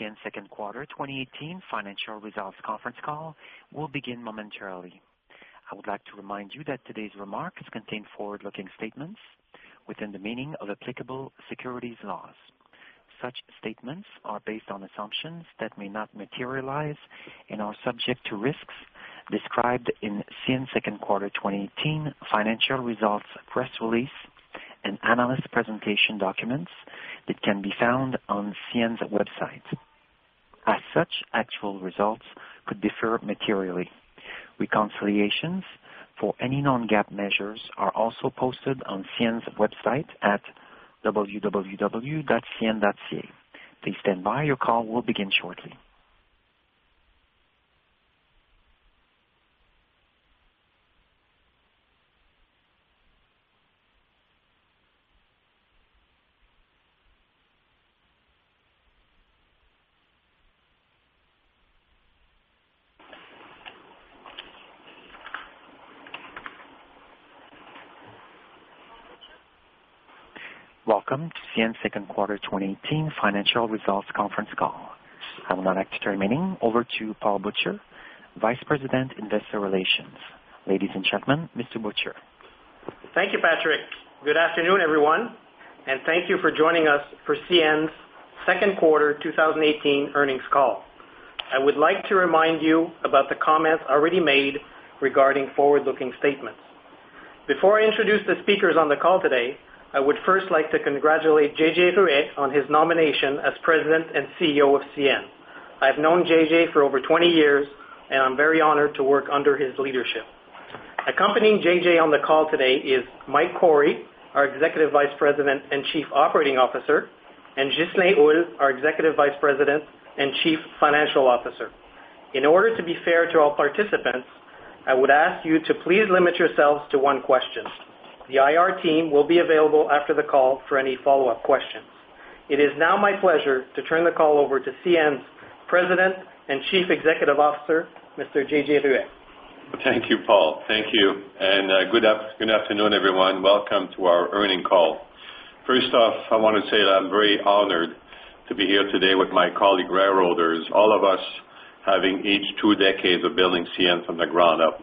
CN second quarter 2018 financial results conference call will begin momentarily. I would like to remind you that today's remarks contain forward-looking statements within the meaning of applicable securities laws. Such statements are based on assumptions that may not materialize and are subject to risks described in CN second quarter 2018 financial results, press release, and analyst presentation documents that can be found on CN's website. As such, actual results could differ materially. Reconciliations for any non-GAAP measures are also posted on CN's website at www.cn.ca. Please stand by. Your call will begin shortly. Welcome to CN second quarter 2018 financial results conference call. I would now like to turn the meeting over to Paul Butcher, Vice President, Investor Relations. Ladies and gentlemen, Mr. Butcher. Thank you, Patrick. Good afternoon, everyone, and thank you for joining us for CN's second quarter 2018 earnings call. I would like to remind you about the comments already made regarding forward-looking statements. Before I introduce the speakers on the call today, I would first like to congratulate JJ Ruest on his nomination as President and CEO of CN. I've known JJ for over 20 years, and I'm very honored to work under his leadership. Accompanying JJ on the call today is Mike Cory, our Executive Vice President and Chief Operating Officer, and Ghislain Houle, our Executive Vice President and Chief Financial Officer. In order to be fair to all participants, I would ask you to please limit yourselves to one question. The IR team will be available after the call for any follow-up questions. It is now my pleasure to turn the call over to CN's President and Chief Executive Officer, Mr. JJ Ruest. Thank you, Paul. Thank you, and good afternoon, everyone. Welcome to our earnings call. First off, I want to say that I'm very honored to be here today with my colleague, railroaders, all of us having each two decades of building CN from the ground up.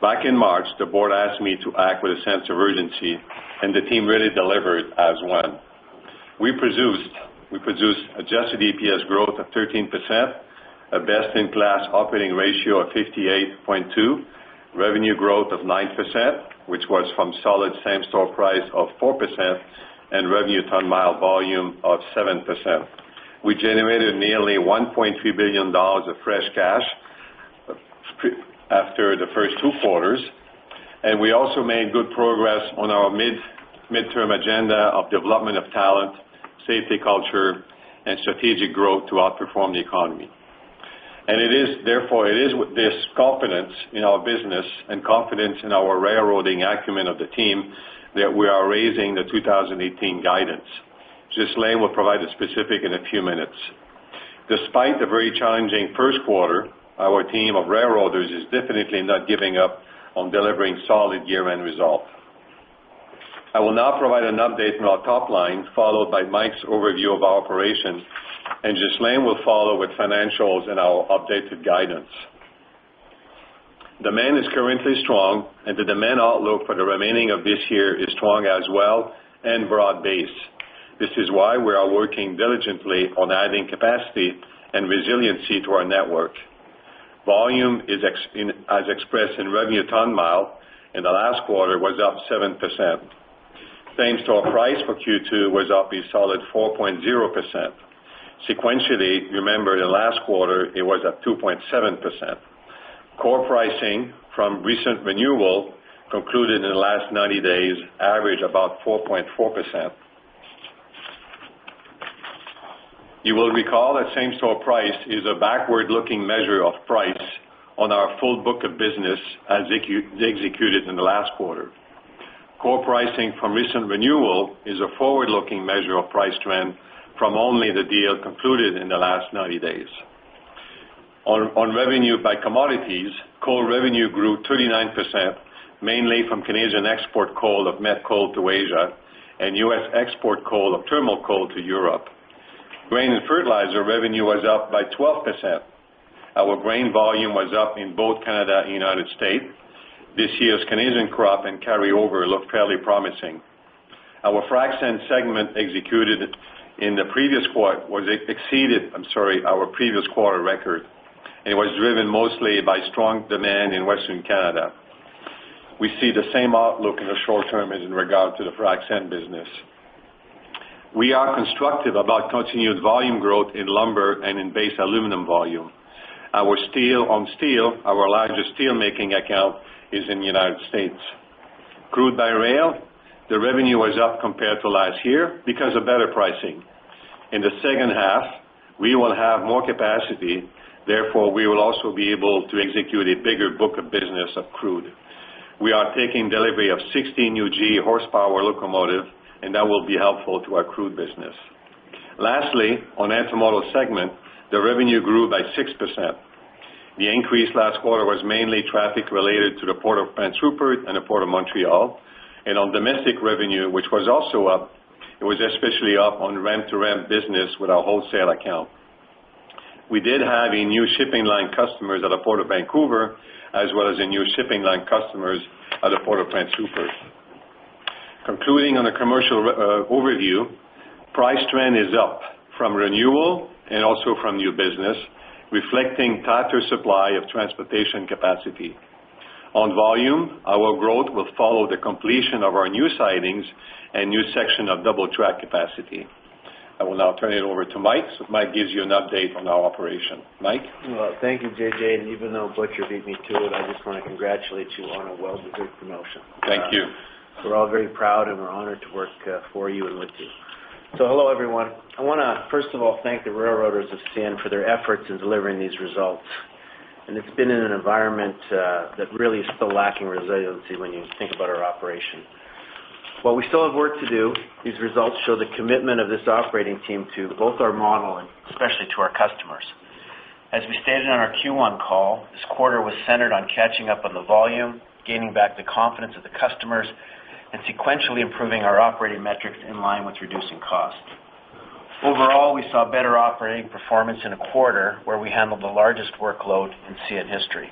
Back in March, the Board asked me to act with a sense of urgency, and the team really delivered as one. We produced, we produced adjusted EPS growth of 13%, a best-in-class operating ratio of 58.2, revenue growth of 9%, which was from solid same-store price of 4%, and revenue ton-mile volume of 7%. We generated nearly $1.3 billion of free cash after the first two quarters, and we also made good progress on our midterm agenda of development of talent, safety culture, and strategic growth to outperform the economy. And it is, therefore, it is with this confidence in our business and confidence in our railroading acumen of the team that we are raising the 2018 guidance. Ghislain will provide a specific in a few minutes. Despite the very challenging first quarter, our team of railroaders is definitely not giving up on delivering solid year-end result. I will now provide an update on our top line, followed by Mike's overview of our operation, and Ghislain will follow with financials and our updated guidance. Demand is currently strong, and the demand outlook for the remaining of this year is strong as well and broad-based. This is why we are working diligently on adding capacity and resiliency to our network. Volume, as expressed in revenue ton-miles, in the last quarter, was up 7%. Same-store price for Q2 was up a solid 4.0%. Sequentially, remember in the last quarter, it was at 2.7%. Core pricing from recent renewals, concluded in the last 90 days, averaged about 4.4%. You will recall that same-store price is a backward-looking measure of price on our full book of business as executed in the last quarter. Core pricing from recent renewals is a forward-looking measure of price trend from only the deals concluded in the last 90 days. On revenue by commodities, coal revenue grew 39%, mainly from Canadian export coal of met coal to Asia and U.S. export coal of thermal coal to Europe. Grain and fertilizer revenue was up by 12%. Our grain volume was up in both Canada and United States. This year's Canadian crop and carryover look fairly promising. Our frac sand segment executed in the previous quarter was exceeded, I'm sorry, our previous quarter record, and it was driven mostly by strong demand in Western Canada. We see the same outlook in the short term as in regard to the frac sand business. We are constructive about continued volume growth in lumber and in base aluminum volume. Our steel, on steel, our largest steelmaking account is in the United States. Crude by rail, the revenue was up compared to last year because of better pricing. In the second half, we will have more capacity, therefore, we will also be able to execute a bigger book of business of crude. We are taking delivery of 60 new GE high-horsepower locomotives, and that will be helpful to our crude business. Lastly, on intermodal segment, the revenue grew by 6%.... The increase last quarter was mainly traffic related to the Port of Prince Rupert and the Port of Montreal. And on domestic revenue, which was also up, it was especially up on ramp-to-ramp business with our wholesale account. We did have a new shipping line customers at the Port of Vancouver, as well as the new shipping line customers at the Port of Prince Rupert. Concluding on the commercial re-- overview, price trend is up from renewal and also from new business, reflecting tighter supply of transportation capacity. On volume, our growth will follow the completion of our new sidings and new section of double track capacity. I will now turn it over to Mike, so Mike gives you an update on our operation. Mike? Well, thank you, JJ. Even though Butcher beat me to it, I just want to congratulate you on a well-deserved promotion. Thank you. We're all very proud, and we're honored to work for you and with you. Hello, everyone. I wanna, first of all, thank the railroaders of CN for their efforts in delivering these results. It's been in an environment that really is still lacking resiliency when you think about our operation. While we still have work to do, these results show the commitment of this operating team to both our model and especially to our customers. As we stated on our Q1 call, this quarter was centered on catching up on the volume, gaining back the confidence of the customers, and sequentially improving our operating metrics in line with reducing costs. Overall, we saw better operating performance in a quarter where we handled the largest workload in CN history.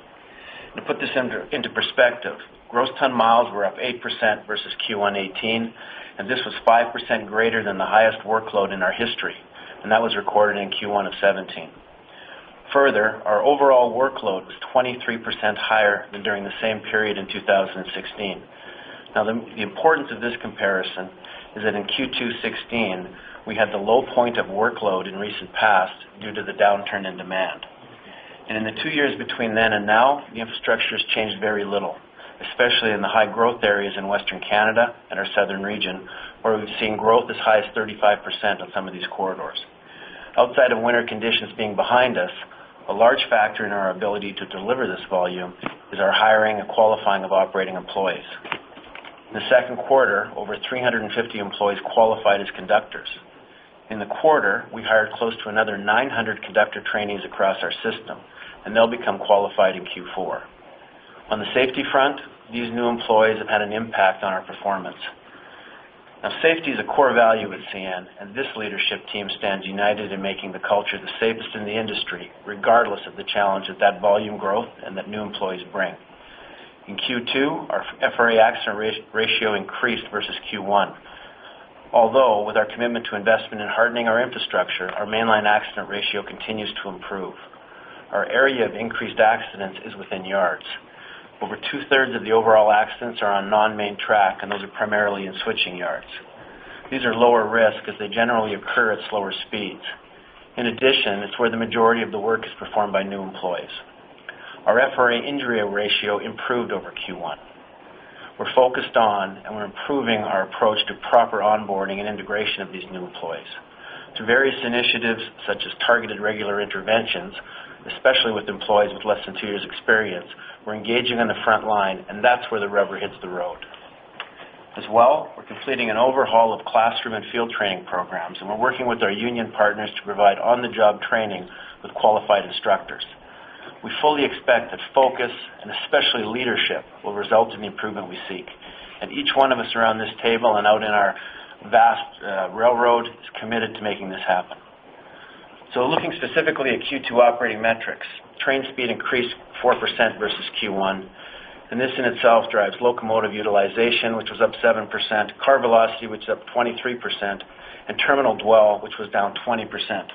To put this into perspective, gross ton-miles were up 8% versus Q1 2018, and this was 5% greater than the highest workload in our history, and that was recorded in Q1 of 2017. Further, our overall workload was 23% higher than during the same period in 2016. Now, the importance of this comparison is that in Q2 2016, we had the low point of workload in recent past due to the downturn in demand. In the two years between then and now, the infrastructure has changed very little, especially in the high-growth areas in Western Canada and our Southern Region, where we've seen growth as high as 35% on some of these corridors. Outside of winter conditions being behind us, a large factor in our ability to deliver this volume is our hiring and qualifying of operating employees. In the second quarter, over 350 employees qualified as conductors. In the quarter, we hired close to another 900 conductor trainees across our system, and they'll become qualified in Q4. On the safety front, these new employees have had an impact on our performance. Now, safety is a core value at CN, and this leadership team stands united in making the culture the safest in the industry, regardless of the challenge that that volume growth and that new employees bring. In Q2, our FRA accident ratio increased versus Q1. Although, with our commitment to investment in hardening our infrastructure, our mainline accident ratio continues to improve. Our area of increased accidents is within yards. Over 2/3 of the overall accidents are on non-main track, and those are primarily in switching yards. These are lower risk because they generally occur at slower speeds. In addition, it's where the majority of the work is performed by new employees. Our FRA injury ratio improved over Q1. We're focused on, and we're improving our approach to proper onboarding and integration of these new employees. To various initiatives, such as targeted regular interventions, especially with employees with less than two years experience, we're engaging on the front line, and that's where the rubber hits the road. As well, we're completing an overhaul of classroom and field training programs, and we're working with our union partners to provide on-the-job training with qualified instructors. We fully expect that focus, and especially leadership, will result in the improvement we seek, and each one of us around this table and out in our vast, railroad is committed to making this happen. Looking specifically at Q2 operating metrics, train speed increased 4% versus Q1, and this in itself drives locomotive utilization, which was up 7%, car velocity, which is up 23%, and terminal dwell, which was down 20%,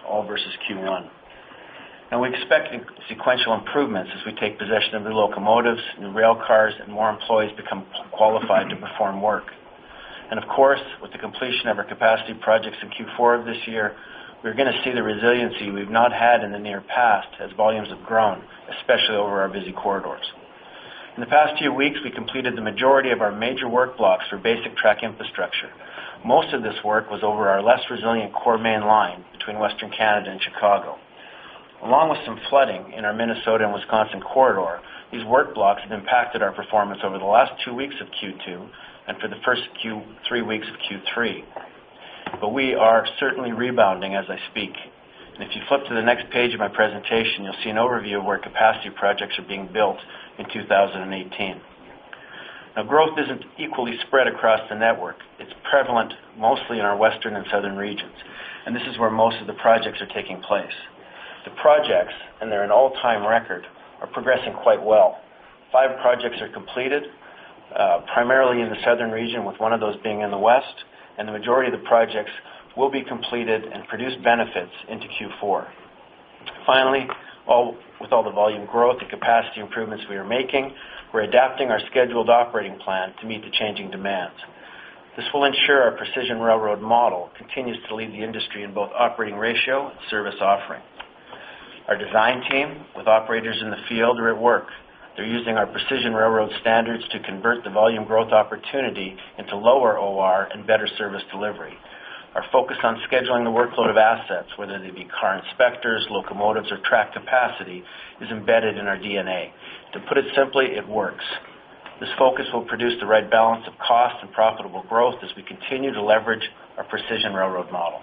all versus Q1. Now we expect sequential improvements as we take possession of the locomotives, new rail cars, and more employees become qualified to perform work. And of course, with the completion of our capacity projects in Q4 of this year, we're gonna see the resiliency we've not had in the near past as volumes have grown, especially over our busy corridors. In the past few weeks, we completed the majority of our major work blocks for basic track infrastructure. Most of this work was over our less resilient core main line between Western Canada and Chicago. Along with some flooding in our Minnesota and Wisconsin corridor, these work blocks have impacted our performance over the last two weeks of Q2 and for the first three weeks of Q3. But we are certainly rebounding as I speak. If you flip to the next page of my presentation, you'll see an overview of where capacity projects are being built in 2018. Now, growth isn't equally spread across the network. It's prevalent mostly in our Western and Southern Regions, and this is where most of the projects are taking place. The projects, and they're an all-time record, are progressing quite well. Five projects are completed, primarily in the Southern Region, with one of those being in the west, and the majority of the projects will be completed and produce benefits into Q4. Finally, with all the volume growth and capacity improvements we are making, we're adapting our scheduled operating plan to meet the changing demands. This will ensure our Precision Railroading model continues to lead the industry in both operating ratio and service offering. Our design team, with operators in the field, are at work. They're using our Precision Railroading standards to convert the volume growth opportunity into lower OR and better service delivery. Our focus on scheduling the workload of assets, whether they be car inspectors, locomotives, or track capacity, is embedded in our DNA. To put it simply, it works. This focus will produce the right balance of cost and profitable growth as we continue to leverage our Precision Railroading model.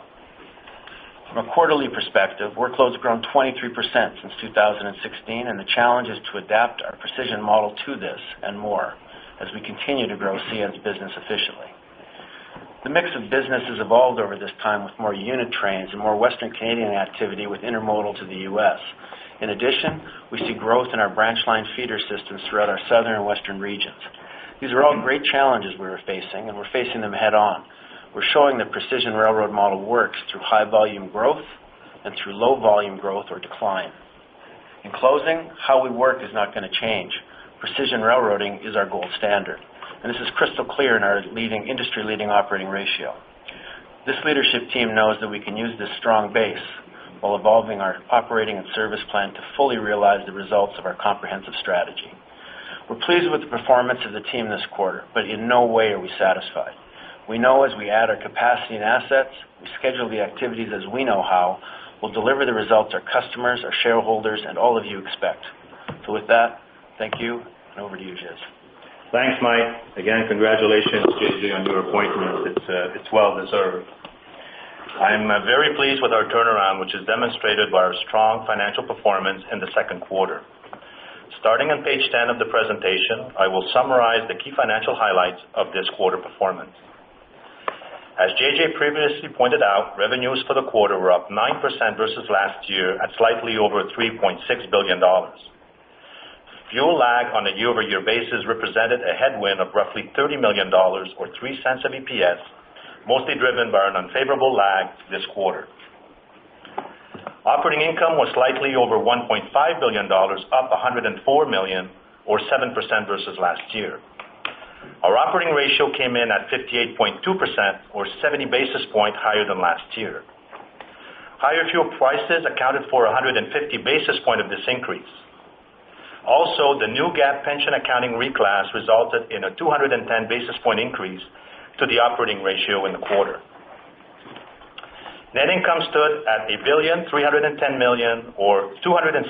From a quarterly perspective, workloads have grown 23% since 2016, and the challenge is to adapt our precision model to this and more as we continue to grow CN's business efficiently. The mix of business has evolved over this time, with more unit trains and more Western Canadian activity with intermodal to the U.S. In addition, we see growth in our branch line feeder systems throughout our Southern and Western Regions. These are all great challenges we are facing, and we're facing them head-on. We're showing the Precision Railroading model works through high volume growth and through low volume growth or decline. In closing, how we work is not gonna change. Precision Railroading is our gold standard, and this is crystal clear in our leading, industry-leading operating ratio. This leadership team knows that we can use this strong base while evolving our operating and service plan to fully realize the results of our comprehensive strategy. We're pleased with the performance of the team this quarter, but in no way are we satisfied. We know as we add our capacity and assets, we schedule the activities as we know how, we'll deliver the results our customers, our shareholders, and all of you expect. With that, thank you, and over to you, Ghis. Thanks, Mike. Again, congratulations, JJ, on your appointment. It's, it's well deserved. I'm very pleased with our turnaround, which is demonstrated by our strong financial performance in the second quarter. Starting on page 10 of the presentation, I will summarize the key financial highlights of this quarter performance. As JJ previously pointed out, revenues for the quarter were up 9% versus last year at slightly over $3.6 billion. Fuel lag on a year-over-year basis represented a headwind of roughly $30 million or $0.03 per EPS, mostly driven by an unfavorable lag this quarter. Operating income was slightly over $1.5 billion, up $104 million or 7% versus last year. Our operating ratio came in at 58.2% or 70 basis points higher than last year. Higher fuel prices accounted for 150 basis points of this increase. Also, the new GAAP pension accounting reclass resulted in a 210 basis points increase to the operating ratio in the quarter. Net income stood at $1.31 billion or $279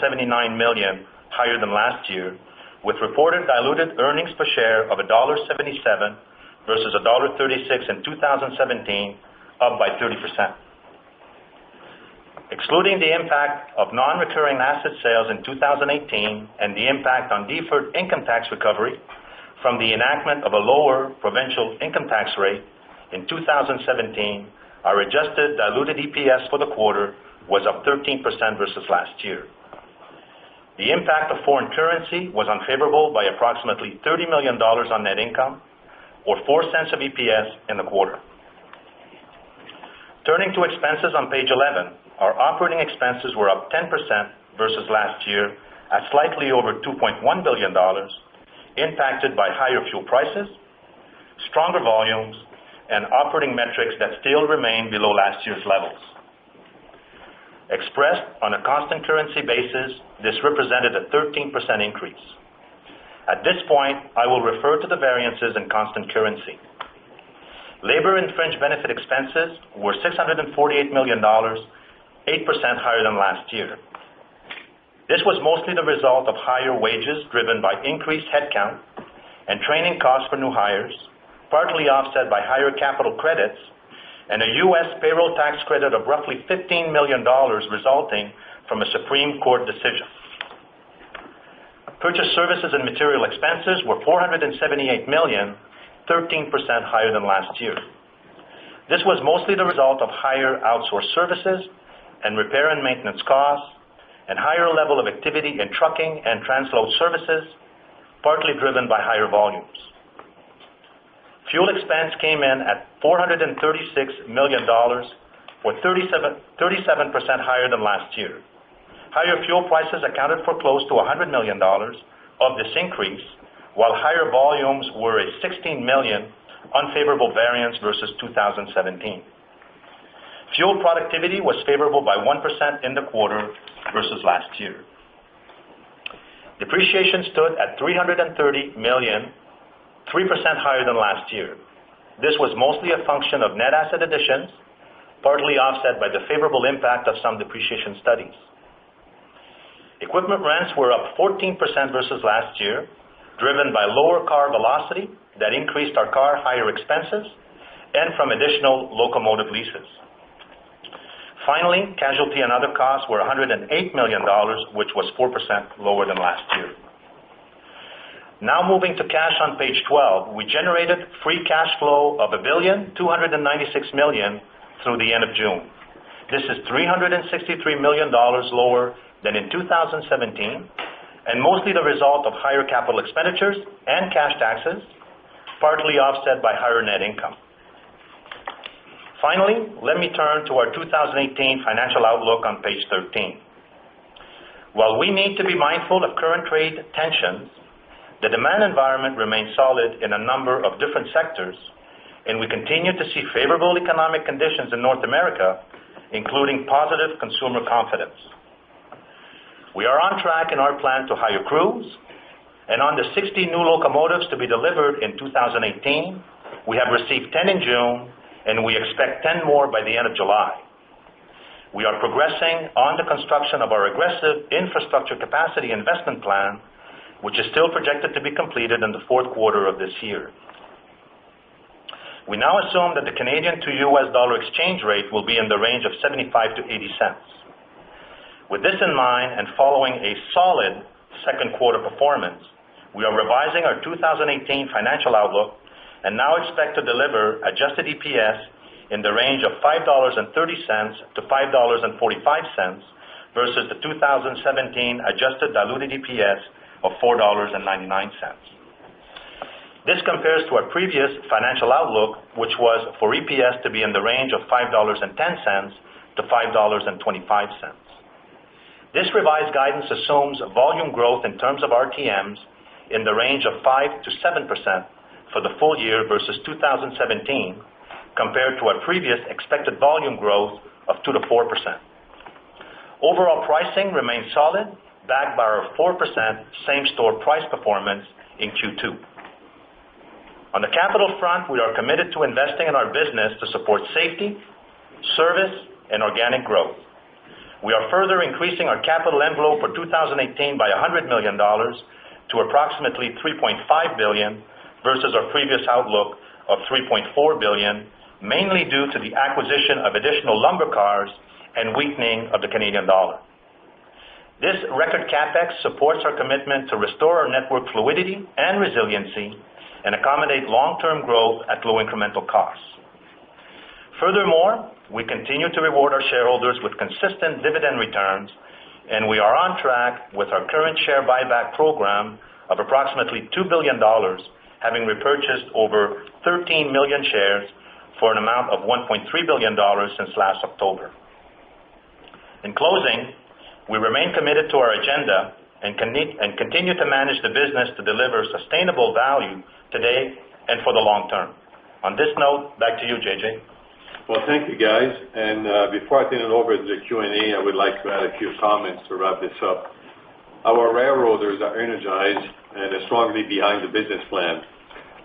million higher than last year, with reported diluted earnings per share of $1.77 versus $1.36 in 2017, up 30%. Excluding the impact of non-recurring asset sales in 2018 and the impact on deferred income tax recovery from the enactment of a lower provincial income tax rate in 2017, our adjusted diluted EPS for the quarter was up 13% versus last year. The impact of foreign currency was unfavorable by approximately $30 million on net income, or $0.04 EPS in the quarter. Turning to expenses on page 11, our operating expenses were up 10% versus last year at slightly over $2.1 billion, impacted by higher fuel prices, stronger volumes, and operating metrics that still remain below last year's levels. Expressed on a constant currency basis, this represented a 13% increase. At this point, I will refer to the variances in constant currency. Labor and fringe benefit expenses were $648 million, 8% higher than last year. This was mostly the result of higher wages, driven by increased headcount and training costs for new hires, partly offset by higher capital credits and a U.S. payroll tax credit of roughly $15 million, resulting from a Supreme Court decision. Purchased services and material expenses were $478 million, 13% higher than last year. This was mostly the result of higher outsourced services and repair and maintenance costs, and higher level of activity in trucking and transload services, partly driven by higher volumes. Fuel expense came in at $436 million, or 37% higher than last year. Higher fuel prices accounted for close to $100 million of this increase, while higher volumes were a $16 million unfavorable variance versus 2017. Fuel productivity was favorable by 1% in the quarter versus last year. Depreciation stood at $330 million, 3% higher than last year. This was mostly a function of net asset additions, partly offset by the favorable impact of some depreciation studies. Equipment rents were up 14% versus last year, driven by lower car velocity that increased our car hire expenses and from additional locomotive leases. Finally, casualty and other costs were $108 million, which was 4% lower than last year. Now, moving to cash on page 12, we generated free cash flow of $1.296 billion through the end of June. This is $363 million lower than in 2017, and mostly the result of higher capital expenditures and cash taxes, partly offset by higher net income. Finally, let me turn to our 2018 financial outlook on page 13. While we need to be mindful of current trade tensions, the demand environment remains solid in a number of different sectors, and we continue to see favorable economic conditions in North America, including positive consumer confidence. We are on track in our plan to hire crews, and on the 60 new locomotives to be delivered in 2018, we have received 10 in June, and we expect 10 more by the end of July. We are progressing on the construction of our aggressive infrastructure capacity investment plan, which is still projected to be completed in the fourth quarter of this year. We now assume that the Canadian dollar to U.S. dollar exchange rate will be in the range of $0.75-$0.80. With this in mind, and following a solid second quarter performance, we are revising our 2018 financial outlook and now expect to deliver adjusted EPS in the range of 5.30-5.45 dollars, versus the 2017 adjusted diluted EPS of 4.99 dollars. This compares to our previous financial outlook, which was for EPS to be in the range of 5.10-5.25 dollars. This revised guidance assumes volume growth in terms of RTMs in the range of 5%-7% for the full-year versus 2017, compared to our previous expected volume growth of 2%-4%. Overall pricing remains solid, backed by our 4% same-store price performance in Q2. On the capital front, we are committed to investing in our business to support safety, service, and organic growth. We are further increasing our capital envelope for 2018 by $100 million to approximately $3.5 billion, versus our previous outlook of $3.4 billion, mainly due to the acquisition of additional lumber cars and weakening of the Canadian dollar. This record CapEx supports our commitment to restore our network fluidity and resiliency and accommodate long-term growth at low incremental costs. Furthermore, we continue to reward our shareholders with consistent dividend returns, and we are on track with our current share buyback program of approximately $2 billion, having repurchased over 13 million shares for an amount of $1.3 billion since last October. In closing, we remain committed to our agenda and continue to manage the business to deliver sustainable value today and for the long term. On this note, back to you, JJ. Well, thank you, Ghis. Before I turn it over to the Q&A, I would like to add a few comments to wrap this up. Our railroaders are energized and are strongly behind the business plan.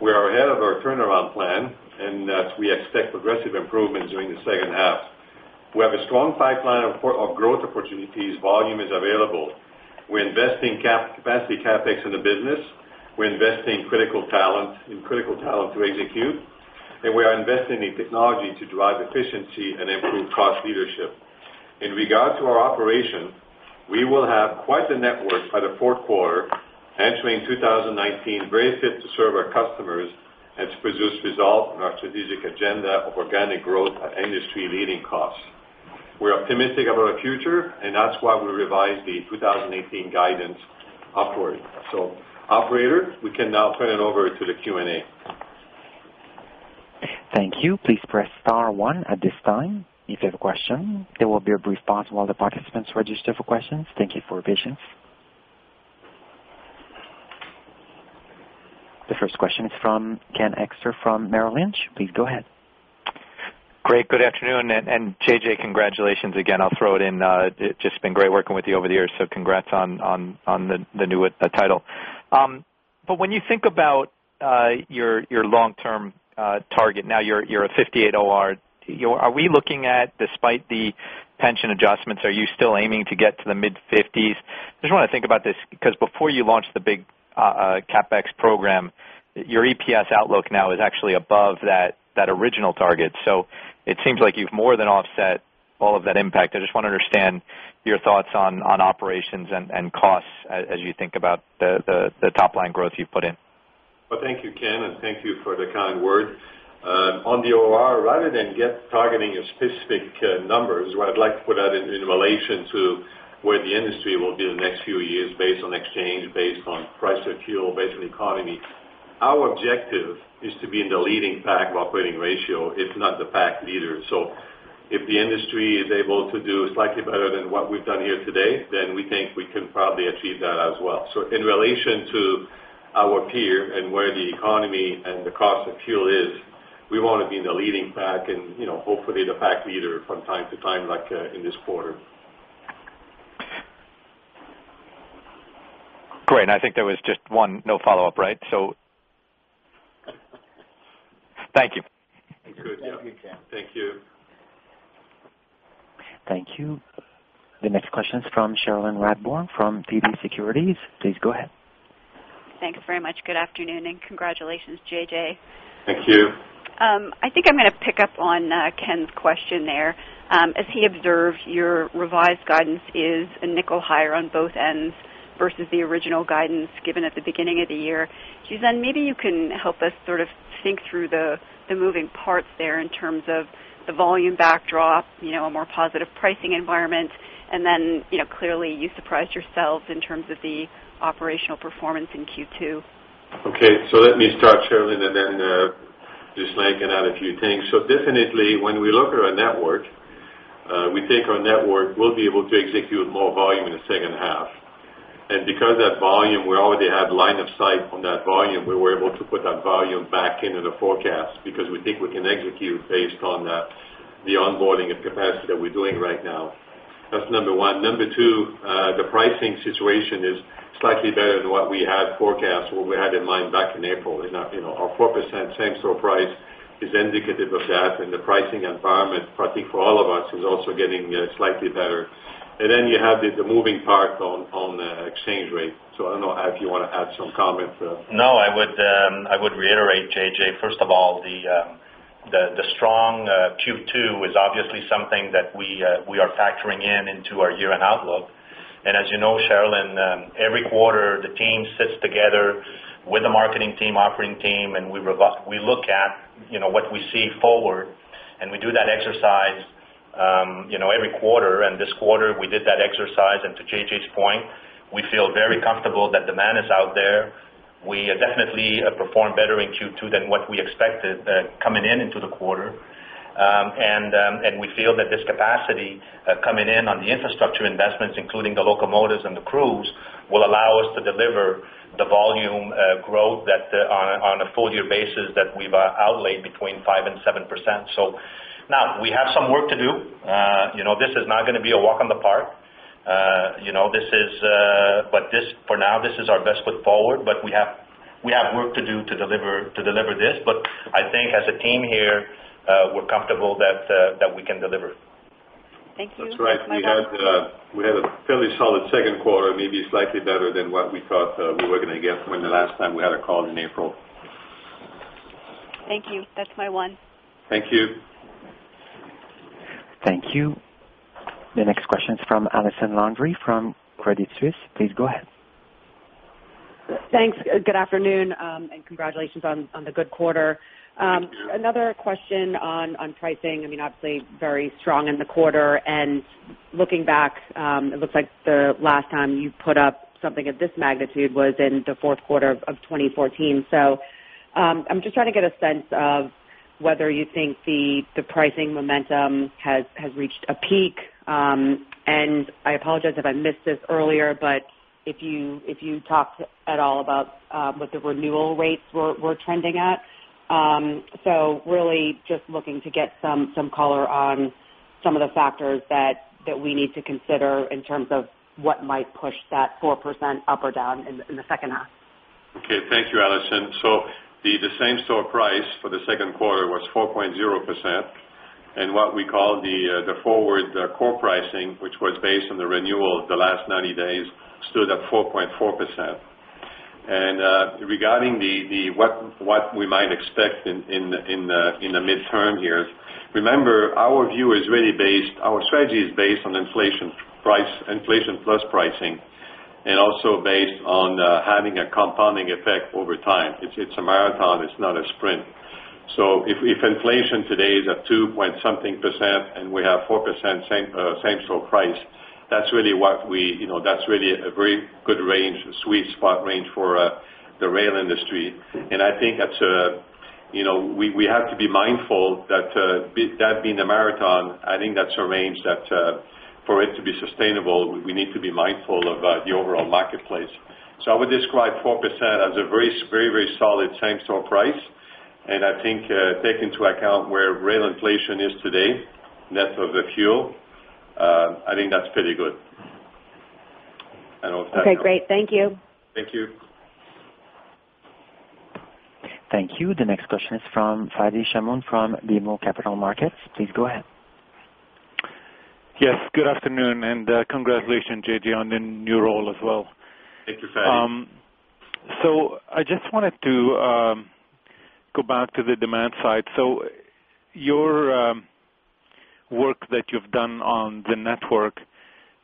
We are ahead of our turnaround plan, and we expect progressive improvement during the second half. We have a strong pipeline of portfolio of growth opportunities, volume is available. We're investing capacity CapEx in the business. We're investing critical talent, in critical talent to execute, and we are investing in technology to drive efficiency and improve cost leadership. In regard to our operation, we will have quite the network by the fourth quarter, entering 2019, very fit to serve our customers and to produce results in our strategic agenda of organic growth at industry-leading costs. We're optimistic about our future, and that's why we revised the 2018 guidance upward. Operator, we can now turn it over to the Q&A. Thank you. Please press star one at this time if you have a question. There will be a brief pause while the participants register for questions. Thank you for your patience. The first question is from Ken Hoexter from Merrill Lynch. Please go ahead. Great. Good afternoon. And JJ, congratulations again. I'll throw it in, it's just been great working with you over the years, so congrats on the new title. But when you think about your long-term target, now, you're a 58 OR. Are we looking at, despite the pension adjustments, are you still aiming to get to the mid-50s? I just want to think about this, because before you launched the big CapEx program, your EPS outlook now is actually above that original target. So it seems like you've more than offset all of that impact. I just want to understand your thoughts on operations and costs as you think about the top line growth you've put in. Well, thank you, Ken, and thank you for the kind words. On the OR, rather than get targeting a specific numbers, what I'd like to put out in relation to where the industry will be in the next few years, based on exchange, based on price of fuel, based on economy, our objective is to be in the leading pack of operating ratio, if not the pack leader. So if the industry is able to do slightly better than what we've done here today, then we think we can probably achieve that as well. So in relation to our peer and where the economy and the cost of fuel is, we want to be in the leading pack and, you know, hopefully, the pack leader from time to time, like in this quarter. Great. I think there was just one—no follow-up, right? Thank you. Thank you, Ken. Thank you. Thank you. The next question is from Cherilyn Radbourne, from TD Securities. Please go ahead. Thanks very much. Good afternoon and congratulations, JJ. Thank you. I think I'm gonna pick up on, Ken's question there. As he observed, your revised guidance is a nickel higher on both ends versus the original guidance given at the beginning of the year. Ghislain, maybe you can help us sort of think through the, the moving parts there in terms of the volume backdrop, you know, a more positive pricing environment, and then, you know, clearly, you surprised yourselves in terms of the operational performance in Q2. Okay, so let me start, Cherilyn, and then just Ghislain can add a few things. So definitely, when we look at our network, we think our network will be able to execute more volume in the second half. And because that volume, we already had line of sight on that volume, we were able to put that volume back into the forecast because we think we can execute based on the onboarding and capacity that we're doing right now. That's number one. Number two, the pricing situation is slightly better than what we had forecast, what we had in mind back in April. And, you know, our 4% same-store price is indicative of that, and the pricing environment, I think, for all of us, is also getting slightly better. And then you have the moving part on exchange rate. I don't know if you wanna add some comments? No, I would reiterate, JJ, first of all, the strong Q2 is obviously something that we are factoring in into our year-end outlook. And as you know, Cherilyn, every quarter, the team sits together with the marketing team, operating team, and we look at, you know, what we see forward, and we do that exercise, you know, every quarter. And this quarter, we did that exercise, and to JJ's point, we feel very comfortable that demand is out there. We definitely performed better in Q2 than what we expected coming in into the quarter. We feel that this capacity coming in on the infrastructure investments, including the locomotives and the crews, will allow us to deliver the volume growth that on a full-year basis that we've outlaid between 5% and 7%. So now, we have some work to do. You know, this is not gonna be a walk in the park. You know, this is... But this, for now, this is our best foot forward, but we have, we have work to do to deliver, to deliver this. But I think as a team here, we're comfortable that that we can deliver. Thank you. That's right. We had, we had a fairly solid second quarter, maybe slightly better than what we thought, we were gonna get from the last time we had a call in April. Thank you. That's my one. Thank you. Thank you. The next question is from Allison Landry from Credit Suisse. Please go ahead. Thanks. Good afternoon, and congratulations on the good quarter. Another question on pricing. I mean, obviously, very strong in the quarter, and looking back, it looks like the last time you put up something of this magnitude was in the fourth quarter of 2014. So, I'm just trying to get a sense of whether you think the pricing momentum has reached a peak. And I apologize if I missed this earlier, but if you talked at all about what the renewal rates were trending at. So really just looking to get some color on some of the factors that we need to consider in terms of what might push that 4% up or down in the second half. Okay, thank you, Allison. So the same-store price for the second quarter was 4.0%, and what we call the forward core pricing, which was based on the renewal of the last 90 days, stood at 4.4%. Regarding what we might expect in the midterm here, remember, our view is really based—our strategy is based on inflation-plus pricing, and also based on having a compounding effect over time. It's a marathon, it's not a sprint. So if inflation today is at 2%-something, and we have 4% same-store price, that's really what we, you know, that's really a very good range, sweet spot range for the rail industry. I think that's, you know, we have to be mindful that that being a marathon, I think that's a range that for it to be sustainable, we need to be mindful of the overall marketplace. So I would describe 4% as a very, very, very solid same-store price, and I think take into account where rail inflation is today, net of the fuel, I think that's pretty good. I don't know if that- Okay, great. Thank you. Thank you. Thank you. The next question is from Fadi Chamoun, from BMO Capital Markets. Please go ahead. Yes, good afternoon, and congratulations, JJ, on the new role as well. Thank you, Fadi. So I just wanted to go back to the demand side. So your work that you've done on the network,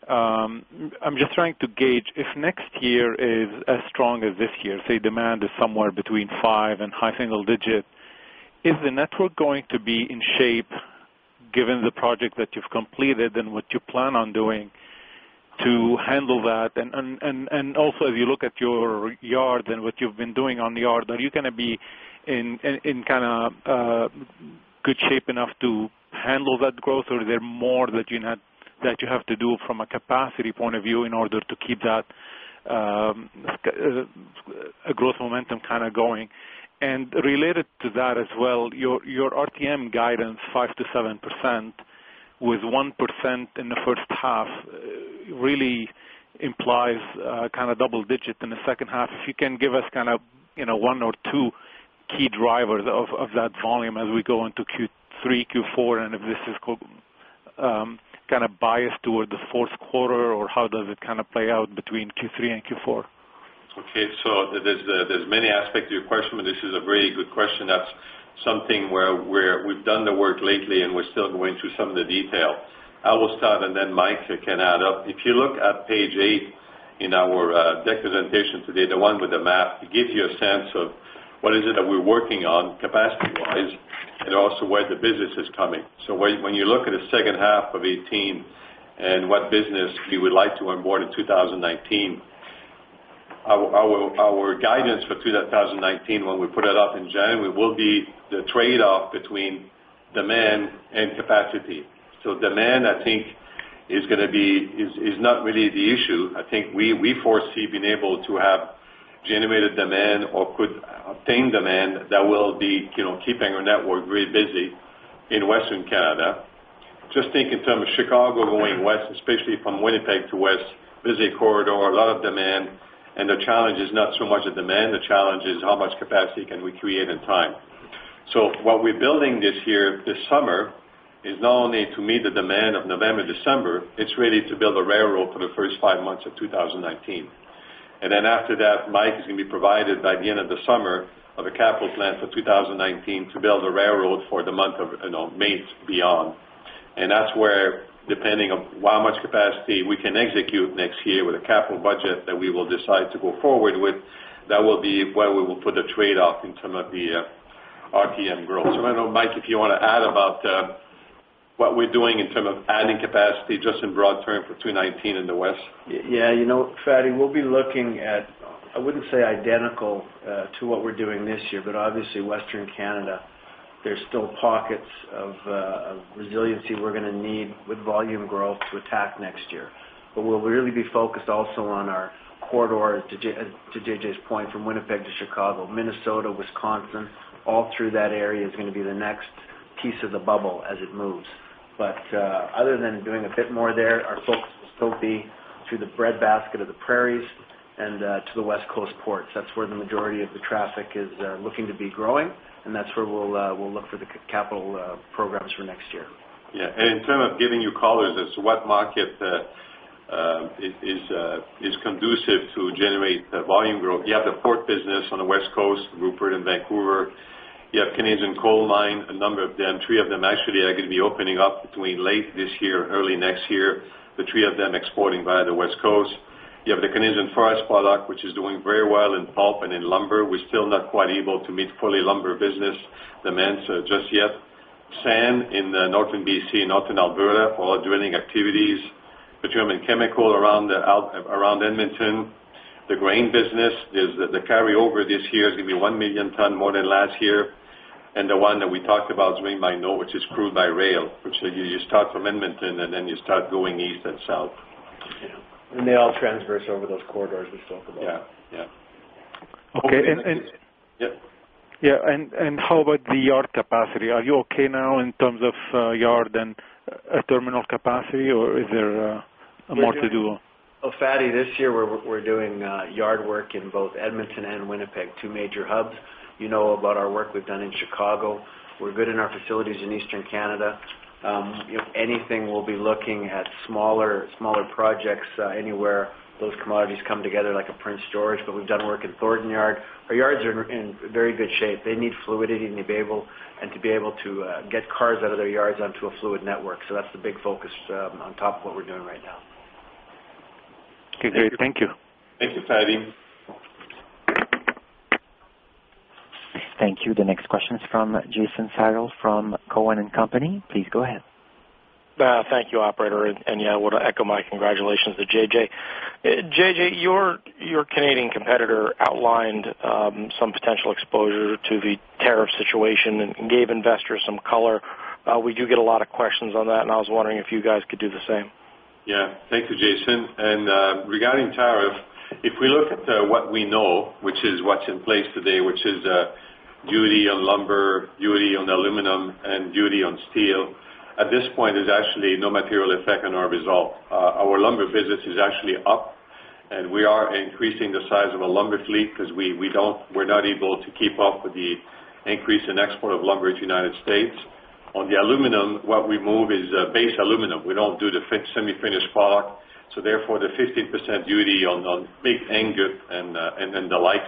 I'm just trying to gauge if next year is as strong as this year, say demand is somewhere between five and high single digit, is the network going to be in shape, given the project that you've completed and what you plan on doing to handle that? And also, if you look at your yard and what you've been doing on the yard, are you gonna be in kinda good shape enough to handle that growth, or are there more that you have to do from a capacity point of view in order to keep that a growth momentum kinda going? Related to that as well, your RTM guidance, 5%-7%, with 1% in the first half, really implies kinda double-digit in the second half. If you can give us kind of, you know, one or two key drivers of that volume as we go into Q3, Q4, and if this is kind of biased toward the fourth quarter, or how does it kind of play out between Q3 and Q4? Okay. So there's many aspects to your question, but this is a very good question. That's something where we've done the work lately, and we're still going through some of the detail. I will start, and then Mike can add up. If you look at page eight in our deck presentation today, the one with the map, it gives you a sense of what is it that we're working on capacity-wise, and also where the business is coming. So when you look at the second half of 2018 and what business we would like to onboard in 2019, our guidance for 2019, when we put it up in January, will be the trade-off between demand and capacity. So demand, I think, is gonna be... Is not really the issue. I think we foresee being able to have generated demand or could obtain demand that will be, you know, keeping our network very busy in Western Canada. Just think in terms of Chicago going west, especially from Winnipeg to west, there's a corridor, a lot of demand, and the challenge is not so much the demand, the challenge is how much capacity can we create in time. So what we're building this year, this summer, is not only to meet the demand of November, December, it's really to build a railroad for the first five months of 2019. And then after that, Mike is going to be provided by the end of the summer of a capital plan for 2019 to build a railroad for the month of, you know, May beyond. And that's where, depending on how much capacity we can execute next year with a capital budget that we will decide to go forward with, that will be where we will put the trade-off in terms of the RTM growth. So I don't know, Mike, if you want to add about what we're doing in terms of adding capacity just in broad term for 2019 in the West. Yeah, you know, Fadi, we'll be looking at, I wouldn't say identical to what we're doing this year, but obviously Western Canada, there's still pockets of of resiliency we're gonna need with volume growth to attack next year. But we'll really be focused also on our corridor, to JJ's point, from Winnipeg to Chicago. Minnesota, Wisconsin, all through that area is gonna be the next piece of the bubble as it moves. But, other than doing a bit more there, our focus will still be to the breadbasket of the Prairies and to the West Coast ports. That's where the majority of the traffic is looking to be growing, and that's where we'll we'll look for the capital programs for next year. Yeah, and in terms of giving you colors as to what market is conducive to generate volume growth, you have the port business on the West Coast, Prince Rupert and Vancouver. You have Canadian coal mine, a number of them. Three of them actually are going to be opening up between late this year, early next year, the three of them exporting via the West Coast. You have the Canadian forest product, which is doing very well in pulp and in lumber. We're still not quite able to meet fully lumber business demands, just yet. Sand in the Northern B.C., Northern Alberta, oil drilling activities, the petrochemicals around Edmonton, the grain business, is the carryover this year is gonna be one million tons more than last year, and the one that we talked about, which is crude-by-rail, which you start from Edmonton, and then you start going east and south. Yeah. And they all traverse over those corridors we spoke about. Yeah. Yeah. Okay, and Yep. Yeah, and how about the yard capacity? Are you okay now in terms of yard and terminal capacity, or is there more to do? Well, Fadi, this year, we're doing yard work in both Edmonton and Winnipeg, two major hubs. You know about our work we've done in Chicago. We're good in our facilities in Eastern Canada. If anything, we'll be looking at smaller projects anywhere those commodities come together, like Prince George, but we've done work in Thornton Yard. Our yards are in very good shape. They need fluidity, and to be able to get cars out of their yards onto a fluid network. So that's the big focus on top of what we're doing right now. Okay, great. Thank you. Thank you, Fadi. Thank you. The next question is from Jason Seidl from Cowen and Company. Please go ahead. Thank you, operator. And, yeah, I want to echo my congratulations to JJ. JJ, your, your Canadian competitor outlined some potential exposure to the tariff situation and gave investors some color. We do get a lot of questions on that, and I was wondering if you guys could do the same. Yeah. Thank you, Jason. Regarding tariff, if we look at what we know, which is what's in place today, which is duty on lumber, duty on aluminum, and duty on steel, at this point, there's actually no material effect on our result. Our lumber business is actually up, and we are increasing the size of our lumber fleet because we're not able to keep up with the increase in export of lumber to United States. On the aluminum, what we move is base aluminum. We don't do the semi-finished product, so therefore, the 15% duty on big ingot and then the likes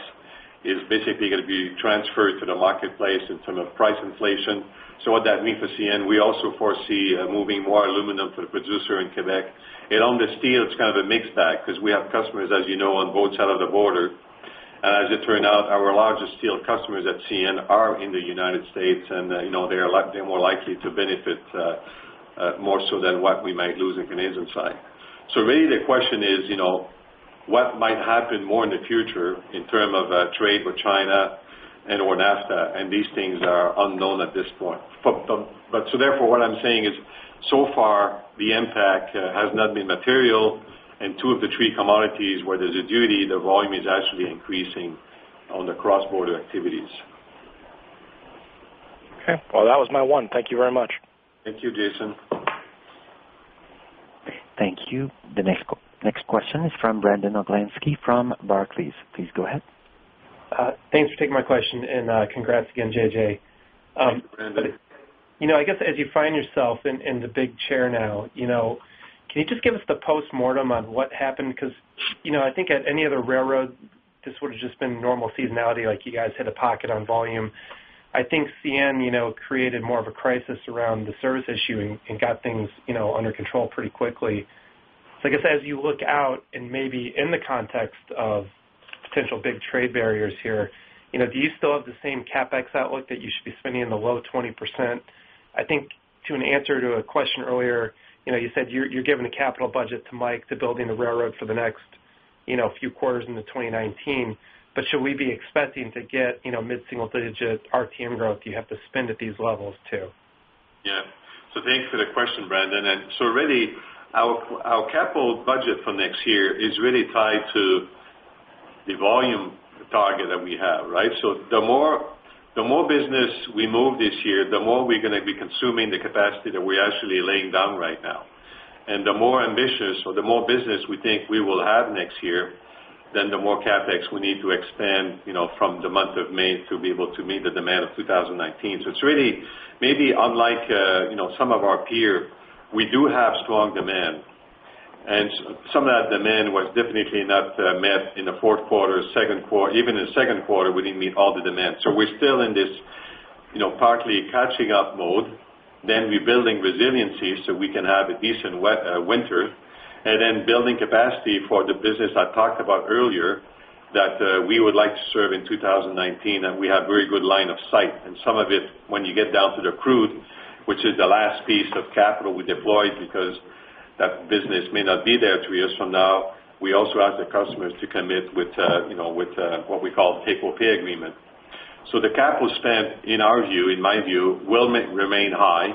is basically going to be transferred to the marketplace in terms of price inflation. So what that means for CN, we also foresee moving more aluminum to the producer in Quebec. And on the steel, it's kind of a mixed bag because we have customers, as you know, on both sides of the border. And as it turned out, our largest steel customers at CN are in the United States, and, you know, they are like—they're more likely to benefit, more so than what we might lose in Canadian side. So really, the question is, you know, what might happen more in the future in terms of trade with China and or NAFTA, and these things are unknown at this point. But so therefore, what I'm saying is, so far, the impact has not been material, and two of the three commodities where there's a duty, the volume is actually increasing on the cross-border activities. Okay. Well, that was my one. Thank you very much. Thank you, Jason. Thank you. The next question is from Brandon Oglenski from Barclays. Please go ahead. Thanks for taking my question, and, congrats again, JJ. Thanks, Brandon. You know, I guess as you find yourself in, in the big chair now, you know, can you just give us the postmortem on what happened? Because, you know, I think at any other railroad, this would have just been normal seasonality, like you guys hit a pocket on volume. I think CN, you know, created more of a crisis around the service issue and, and got things, you know, under control pretty quickly. So I guess as you look out and maybe in the context of potential big trade barriers here, you know, do you still have the same CapEx outlook that you should be spending in the low 20%? I think to an answer to a question earlier, you know, you said you're, you're giving a capital budget to Mike to building the railroad for the next, you know, few quarters into 2019. But should we be expecting to get, you know, mid-single-digit RTM growth? You have to spend at these levels, too? Yeah. So thanks for the question, Brandon. So really, our capital budget for next year is really tied to the volume target that we have, right? So the more business we move this year, the more we're gonna be consuming the capacity that we're actually laying down right now. And the more ambitious or the more business we think we will have next year, then the more CapEx we need to expand, you know, from the month of May to be able to meet the demand of 2019. So it's really maybe unlike, you know, some of our peer, we do have strong demand, and some of that demand was definitely not met in the fourth quarter, second quarter. Even in the second quarter, we didn't meet all the demand. So we're still in this, you know, partly catching up mode. Then we're building resiliency, so we can have a decent winter, and then building capacity for the business I talked about earlier, that we would like to serve in 2019, and we have very good line of sight. And some of it, when you get down to the crude, which is the last piece of capital we deployed, because that business may not be there two years from now. We also ask the customers to commit with, you know, with what we call take-or-pay agreement. So the capital spend, in our view, in my view, will remain high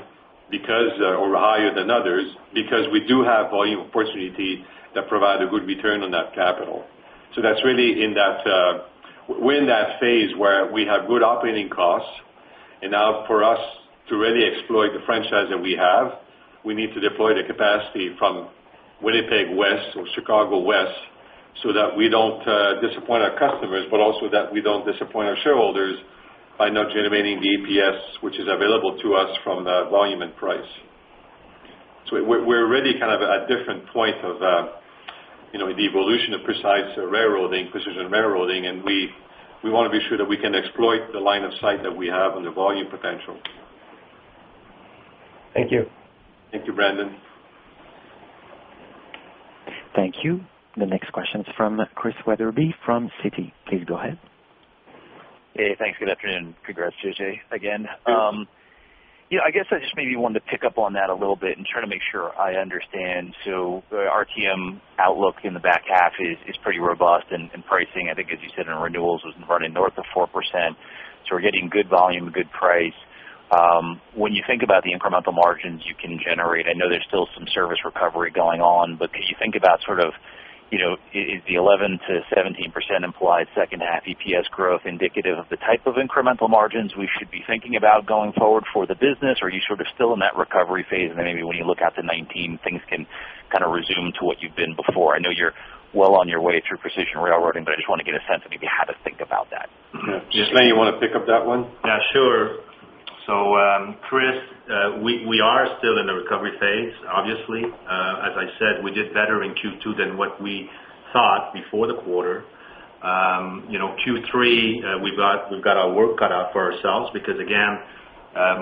because, or higher than others, because we do have volume opportunity that provide a good return on that capital. So that's really in that... We're in that phase where we have good operating costs, and now for us to really exploit the franchise that we have, we need to deploy the capacity from Winnipeg West or Chicago West so that we don't disappoint our customers, but also that we don't disappoint our shareholders by not generating the EPS, which is available to us from the volume and price. So we're really kind of at a different point of, you know, the evolution of Precision Railroading, and we wanna be sure that we can exploit the line of sight that we have and the volume potential. Thank you. Thank you, Brandon. Thank you. The next question is from Chris Wetherbee, from Citi. Please go ahead. Hey, thanks. Good afternoon. Congrats, JJ, again. Yeah, I guess I just maybe wanted to pick up on that a little bit and try to make sure I understand. So the RTM outlook in the back half is pretty robust, and pricing, I think, as you said, in renewals was running north of 4%. So we're getting good volume, good price. When you think about the incremental margins you can generate, I know there's still some service recovery going on, but can you think about sort of, you know, is the 11%-17% implied second half EPS growth indicative of the type of incremental margins we should be thinking about going forward for the business? Or are you sort of still in that recovery phase, and then maybe when you look out to 2019, things can kind of resume to what you've been before? I know you're well on your way through Precision Railroading, but I just wanna get a sense of maybe how to think about that. Yeah. Ghislain, you wanna pick up that one? Yeah, sure. So, Chris, we are still in the recovery phase, obviously. As I said, we did better in Q2 than what we thought before the quarter. You know, Q3, we've got our work cut out for ourselves, because again,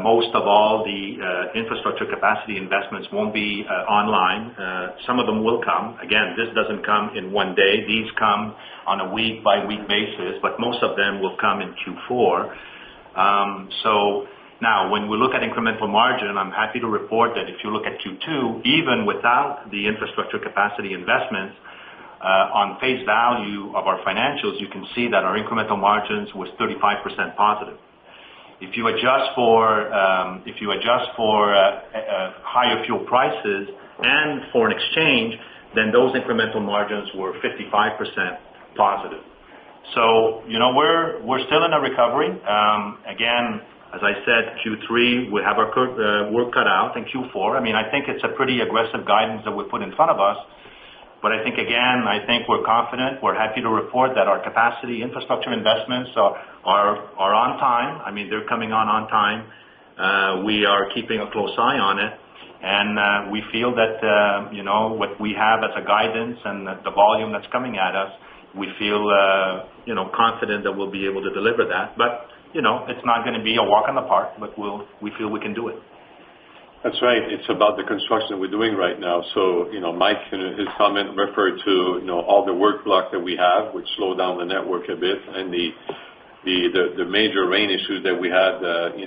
most of all the infrastructure capacity investments won't be online. Some of them will come. Again, this doesn't come in one day. These come on a week-by-week basis, but most of them will come in Q4. So now when we look at incremental margin, I'm happy to report that if you look at Q2, even without the infrastructure capacity investments, on face value of our financials, you can see that our incremental margins was 35% positive. If you adjust for higher fuel prices and foreign exchange, then those incremental margins were 55% positive. So, you know, we're still in a recovery. Again, as I said, Q3, we have our work cut out, and Q4. I mean, I think it's a pretty aggressive guidance that we put in front of us, but I think again, I think we're confident. We're happy to report that our capacity infrastructure investments are on time. I mean, they're coming on time. We are keeping a close eye on it, and we feel that, you know, what we have as a guidance and the volume that's coming at us, we feel, you know, confident that we'll be able to deliver that. You know, it's not gonna be a walk in the park, but we'll, we feel we can do it. That's right. It's about the construction we're doing right now. So, you know, Mike, in his comment, referred to, you know, all the work blocks that we have, which slowed down the network a bit, and the major rain issues that we had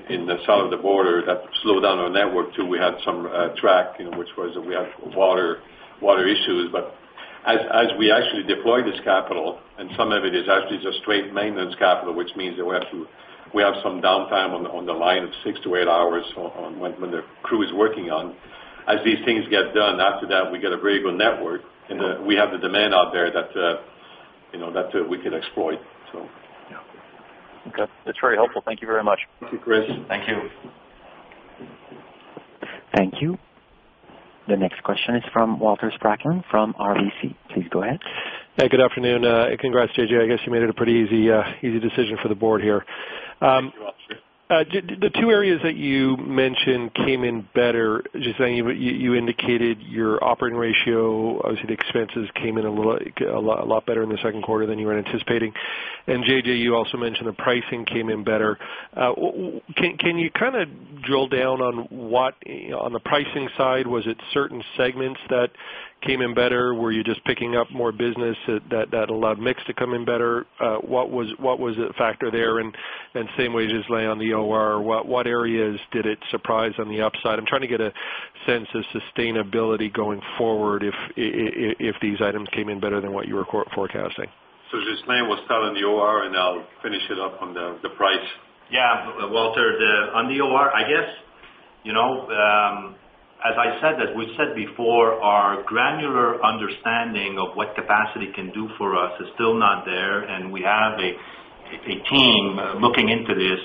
in the south of the border that slowed down our network, too. We had some track, you know, which was. We had water issues. But as we actually deploy this capital, and some of it is actually just straight maintenance capital, which means that we have to... We have some downtime on the line of six to eight hours on when the crew is working on. As these things get done, after that, we get a very good network, and, we have the demand out there that, you know, that, we could exploit. So yeah. Okay. That's very helpful. Thank you very much. Thank you, Chris. Thank you. Thank you. The next question is from Walter Spracklin, from RBC Capital Markets. Please go ahead. Hey, good afternoon. Congrats, JJ. I guess you made it a pretty easy, easy decision for the Board here. Thank you, Walter. The two areas that you mentioned came in better. Ghislain, you indicated your operating ratio, obviously, the expenses came in a little, a lot, a lot better in the second quarter than you were anticipating. And JJ, you also mentioned the pricing came in better. Can you kind of drill down on what, on the pricing side? Was it certain segments that came in better? Were you just picking up more business that allowed mix to come in better? What was the factor there? And same way, Ghislain, on the OR, what areas did it surprise on the upside? I'm trying to get a sense of sustainability going forward if these items came in better than what you were forecasting. Ghislain will start on the OR, and I'll finish it up on the price. Yeah, Walter, the... on the OR, I guess, you know, ...As I said, as we've said before, our granular understanding of what capacity can do for us is still not there, and we have a team looking into this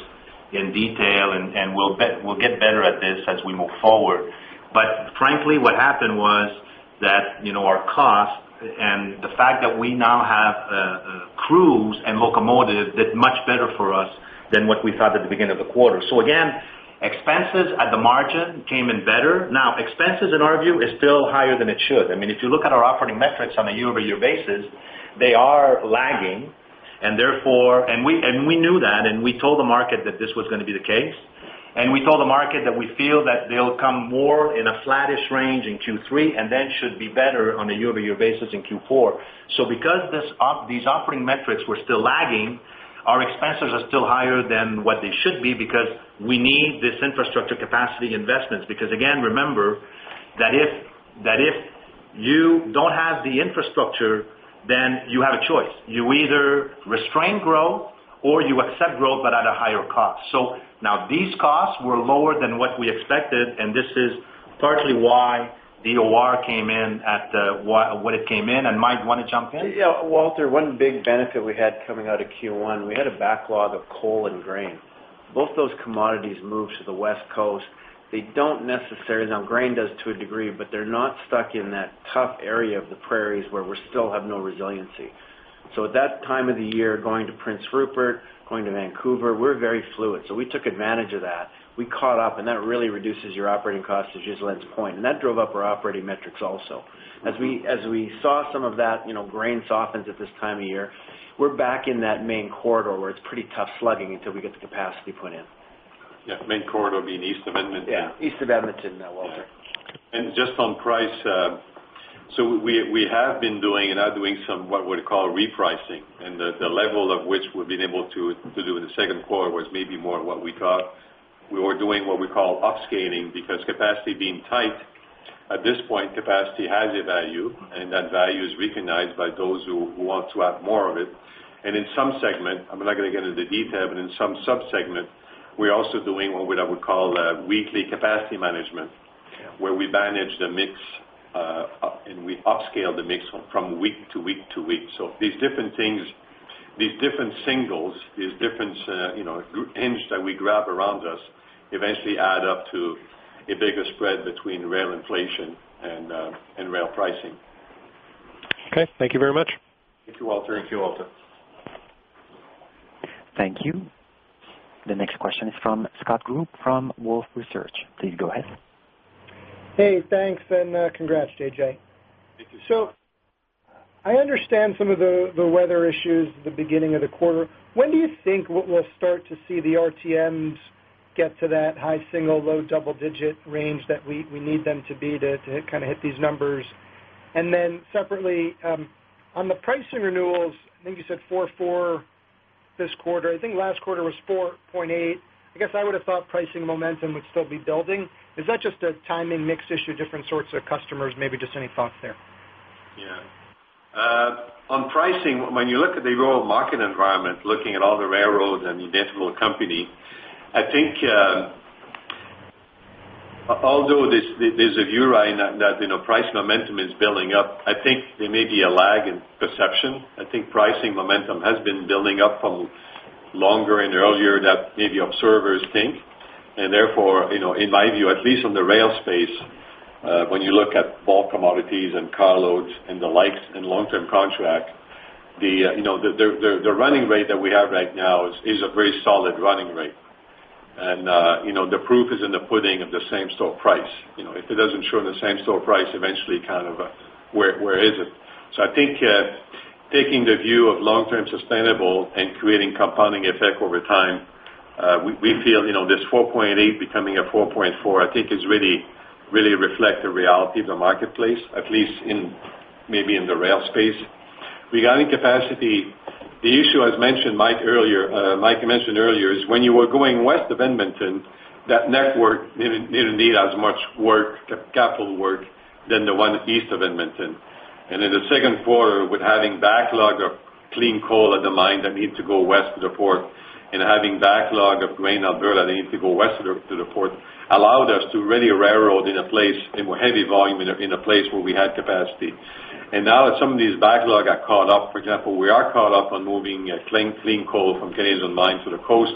in detail, and we'll get better at this as we move forward. But frankly, what happened was that, you know, our cost and the fact that we now have crews and locomotives did much better for us than what we thought at the beginning of the quarter. So again, expenses at the margin came in better. Now, expenses, in our view, is still higher than it should. I mean, if you look at our operating metrics on a year-over-year basis, they are lagging, and therefore we knew that, and we told the market that this was gonna be the case. And we told the market that we feel that they'll come more in a flattish range in Q3, and then should be better on a year-over-year basis in Q4. So because these operating metrics were still lagging, our expenses are still higher than what they should be, because we need this infrastructure capacity investments. Because again, remember, that if you don't have the infrastructure, then you have a choice. You either restrain growth or you accept growth, but at a higher cost. So now, these costs were lower than what we expected, and this is partially why the OR came in at what it came in. Mike, you wanna jump in? Yeah, Walter, one big benefit we had coming out of Q1, we had a backlog of coal and grain. Both those commodities moved to the West Coast. They don't necessarily... Now, grain does to a degree, but they're not stuck in that tough area of the Prairies where we still have no resiliency. So at that time of the year, going to Prince Rupert, going to Vancouver, we're very fluid. So we took advantage of that. We caught up, and that really reduces your operating costs, as Ghislain's point, and that drove up our operating metrics also. As we, as we saw some of that, you know, grain softens at this time of year, we're back in that main corridor where it's pretty tough slugging until we get the capacity put in. Yeah, main corridor being east of Edmonton. Yeah, east of Edmonton, Walter. Yeah. And just on price, so we, we have been doing and are doing some what we'd call repricing, and the, the level of which we've been able to, to do in the second quarter was maybe more what we thought. We were doing what we call upscaling, because capacity being tight, at this point, capacity has a value, and that value is recognized by those who, who want to have more of it. And in some segment, I'm not gonna get into the detail, but in some sub-segment, we're also doing what I would call weekly capacity management- Yeah... where we manage the mix, up, and we upscale the mix from week to week to week. So these different things, these different singles, these different, you know, inches that we grab around us, eventually add up to a bigger spread between rail inflation and rail pricing. Okay, thank you very much. Thank you, Walter. Thank you. The next question is from Scott Group from Wolfe Research. Please go ahead. Hey, thanks, and congrats, JJ. Thank you, Scott. So I understand some of the weather issues at the beginning of the quarter. When do you think we'll start to see the RTMs get to that high single-digit, low double-digit range that we need them to be to kind of hit these numbers? And then separately, on the pricing renewals, I think you said 4.4% this quarter. I think last quarter was 4.8%. I guess I would have thought pricing momentum would still be building. Is that just a timing mix issue, different sorts of customers? Maybe just any thoughts there. Yeah. On pricing, when you look at the overall market environment, looking at all the railroads and identical company, I think, although there's, there's a view, right, that, you know, price momentum is building up, I think there may be a lag in perception. I think pricing momentum has been building up from longer and earlier than maybe observers think. And therefore, you know, in my view, at least in the rail space, when you look at bulk commodities and carloads and the likes and long-term contract, the, you know, the, the, the running rate that we have right now is a very solid running rate. And, you know, the proof is in the pudding of the same-store price. You know, if it doesn't show in the same-store price, eventually kind of, where, where is it? So I think, taking the view of long-term sustainable and creating compounding effect over time, we, we feel, you know, this 4.8% becoming a 4.4%, I think is really, really reflect the reality of the marketplace, at least in, maybe in the rail space. Regarding capacity, the issue, as mentioned, Mike earlier, Mike mentioned earlier, is when you were going west of Edmonton, that network didn't need as much work, capital work, than the one east of Edmonton. And in the second quarter, with having backlog of clean coal at the mine that need to go west to the port, and having backlog of grain Alberta, they need to go west of, to the port, allowed us to really railroad in a place in heavy volume, in a place where we had capacity. Now that some of these backlog are caught up, for example, we are caught up on moving clean, clean coal from Canadian mine to the coast,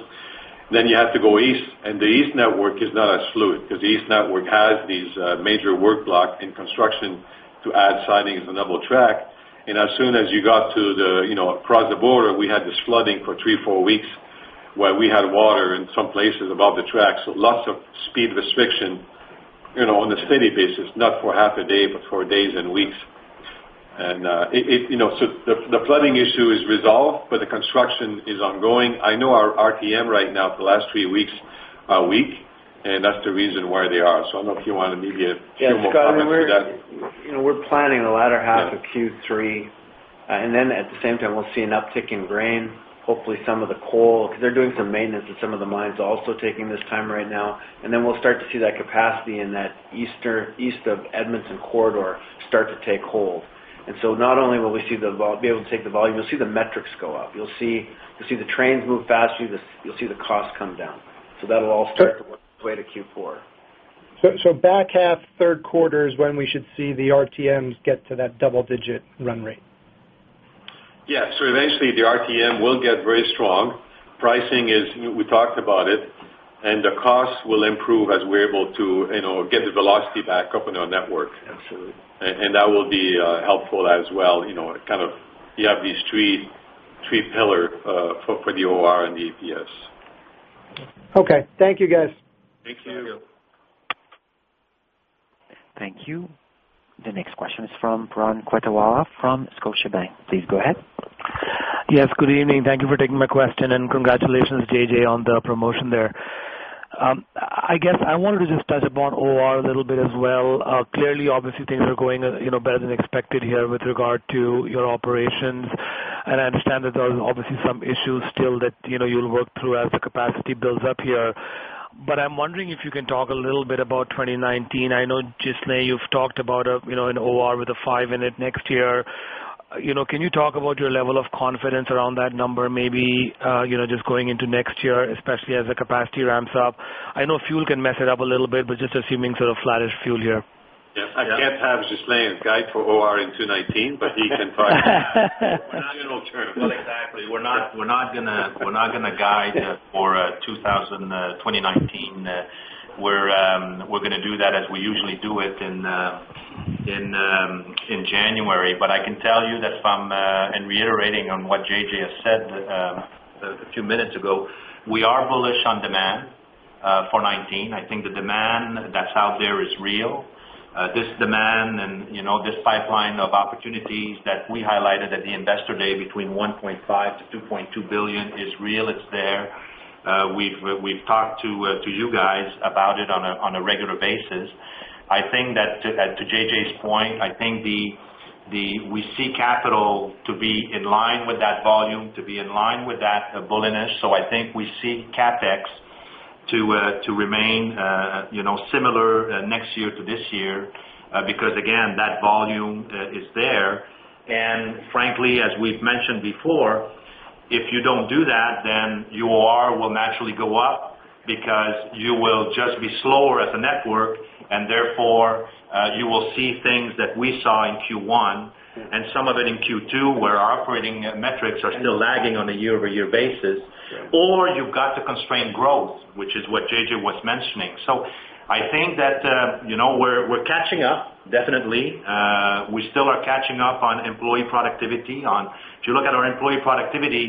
then you have to go east, and the east network is not as fluid, because the east network has these major work blocks and construction to add sidings and double track. And as soon as you got to the, you know, across the border, we had this flooding for three to four weeks, where we had water in some places above the track. So lots of speed restriction, you know, on a steady basis, not for half a day, but for days and weeks. And, it, you know... So the flooding issue is resolved, but the construction is ongoing. I know our RTM right now for the last three weeks are weak, and that's the reason why they are. I don't know if you want to maybe a few more comments to that. Yeah, Scott, we're, you know, we're planning the latter half- Yeah... of Q3, and then at the same time, we'll see an uptick in grain, hopefully some of the coal, because they're doing some maintenance at some of the mines, also taking this time right now. And then we'll start to see that capacity in that eastern, east of Edmonton corridor start to take hold. And so not only will we be able to take the volume, you'll see the metrics go up. You'll see, you'll see the trains move faster, you'll, you'll see the costs come down. So that'll all start- But-... way to Q4. So, back half third quarter is when we should see the RTMs get to that double-digit run rate? ... Yeah, so eventually the RTM will get very strong. Pricing is, we talked about it, and the costs will improve as we're able to, you know, get the velocity back up in our network. Absolutely. And that will be helpful as well, you know, kind of you have these three, three pillar for the OR and the EPS. Okay. Thank you, guys. Thank you. Thank you. The next question is from Turan Quettawala from Scotiabank. Please go ahead. Yes, good evening. Thank you for taking my question, and congratulations, JJ, on the promotion there. I guess I wanted to just touch upon OR a little bit as well. Clearly, obviously, things are going, you know, better than expected here with regard to your operations. And I understand that there are obviously some issues still that, you know, you'll work through as the capacity builds up here. But I'm wondering if you can talk a little bit about 2019. I know, Ghislain, you've talked about, you know, an OR with a 5% in it next year. You know, can you talk about your level of confidence around that number, maybe, you know, just going into next year, especially as the capacity ramps up? I know fuel can mess it up a little bit, but just assuming sort of flattish fuel here. Yes. I can't have Ghislain guide for OR in 2019, but he can talk. We're not going to, Turan. Well, exactly. We're not gonna guide for 2019. We're gonna do that as we usually do it in January. But I can tell you that, and reiterating on what JJ has said a few minutes ago, we are bullish on demand for 2019. I think the demand that's out there is real. This demand and, you know, this pipeline of opportunities that we highlighted at the Investor Day between $1.5 billion-$2.2 billion is real, it's there. We've talked to you guys about it on a regular basis. I think that to JJ's point, I think we see capital to be in line with that volume, to be in line with that bullishness. So I think we see CapEx to remain, you know, similar next year to this year, because, again, that volume is there. And frankly, as we've mentioned before, if you don't do that, then your OR will naturally go up because you will just be slower as a network, and therefore, you will see things that we saw in Q1, and some of it in Q2, where our operating metrics are still lagging on a year-over-year basis. Or you've got to constrain growth, which is what JJ was mentioning. So I think that, you know, we're catching up, definitely. We still are catching up on employee productivity, on... If you look at our employee productivity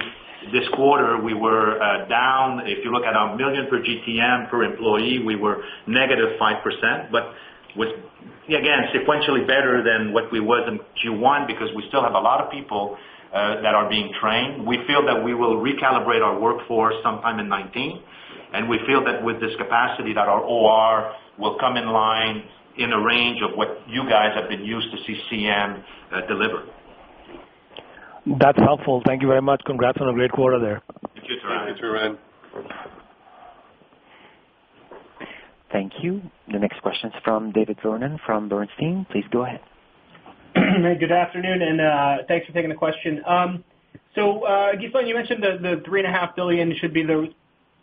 this quarter, we were down. If you look at our million GTM per employee, we were -5%, but, again, sequentially better than what we was in Q1, because we still have a lot of people that are being trained. We feel that we will recalibrate our workforce sometime in 2019, and we feel that with this capacity, that our OR will come in line in a range of what you guys have been used to see CN deliver. That's helpful. Thank you very much. Congrats on a great quarter there. Thank you, Turan. Thank you. The next question is from David Vernon from Bernstein. Please go ahead. Good afternoon, thanks for taking the question. So, Ghislain, you mentioned the $3.5 billion should be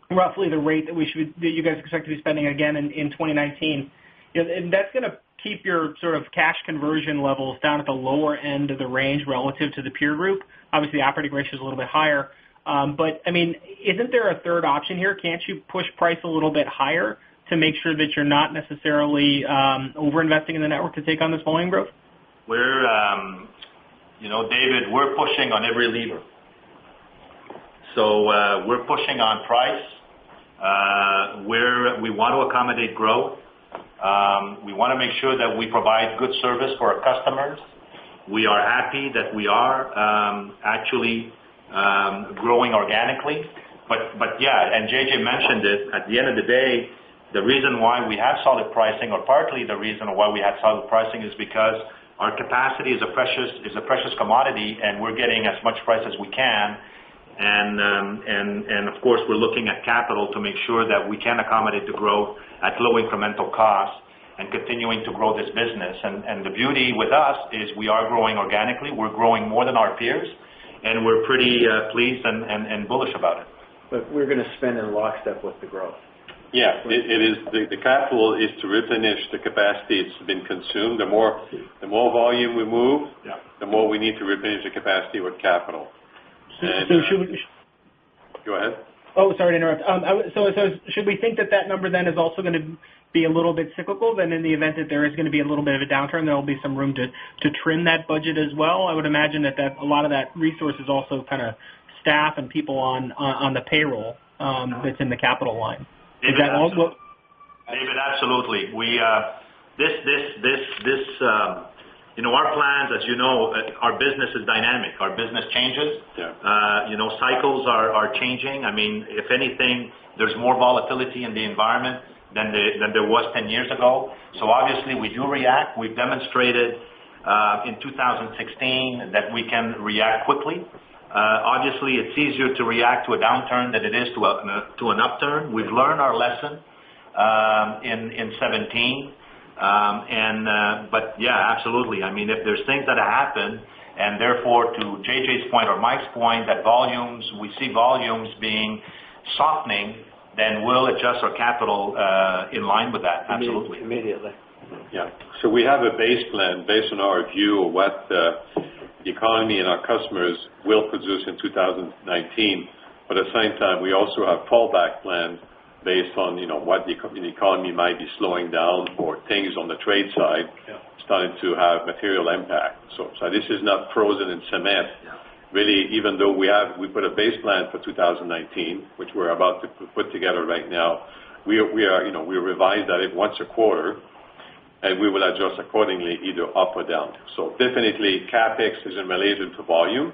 roughly the rate that you guys expect to be spending again in 2019. And that's gonna keep your sort of cash conversion levels down at the lower end of the range relative to the peer group. Obviously, the operating ratio is a little bit higher. But, I mean, isn't there a third option here? Can't you push price a little bit higher to make sure that you're not necessarily over-investing in the network to take on this volume growth? We're, you know, David, we're pushing on every lever. So, we're pushing on price, where we want to accommodate growth. We wanna make sure that we provide good service for our customers. We are happy that we are, actually, growing organically. But, but yeah, and JJ mentioned it, at the end of the day, the reason why we have solid pricing, or partly the reason why we have solid pricing, is because our capacity is a precious, is a precious commodity, and we're getting as much price as we can. And, and, and of course, we're looking at capital to make sure that we can accommodate the growth at low incremental costs and continuing to grow this business. And, and the beauty with us is we are growing organically. We're growing more than our peers, and we're pretty pleased and bullish about it. But we're gonna spend in lockstep with the growth. Yeah, it is. The capital is to replenish the capacity that's been consumed. The more volume we move - Yeah - the more we need to replenish the capacity with capital. And So should we- Go ahead. Oh, sorry to interrupt. So, so should we think that that number then is also gonna be a little bit cyclical, then in the event that there is gonna be a little bit of a downturn, there will be some room to, to trim that budget as well? I would imagine that, that a lot of that resource is also kinda staff and people on, on, on the payroll, that's in the capital line. Is that also- David, absolutely. We, you know, our plans, as you know, our business is dynamic. Our business changes. Yeah. You know, cycles are changing. I mean, if anything, there's more volatility in the environment than there was 10 years ago. So obviously, we do react. We've demonstrated, in 2016 that we can react quickly. Obviously, it's easier to react to a downturn than it is to an upturn. We've learned our lesson, in 2017. And, but yeah, absolutely. I mean, if there's things that happen, and therefore, to JJ's point or Mike's point, that volumes, we see volumes being softening, then we'll adjust our capital, in line with that. Absolutely. Immediately.... Yeah, so we have a base plan based on our view of what the economy and our customers will produce in 2019. But at the same time, we also have fallback plan based on, you know, what the economy might be slowing down or things on the trade side- Yeah. starting to have material impact. So, this is not frozen in cement. Yeah. Really, even though we have put a base plan for 2019, which we're about to put together right now, we are, you know, we revise it once a quarter, and we will adjust accordingly, either up or down. So definitely, CapEx is related to volume.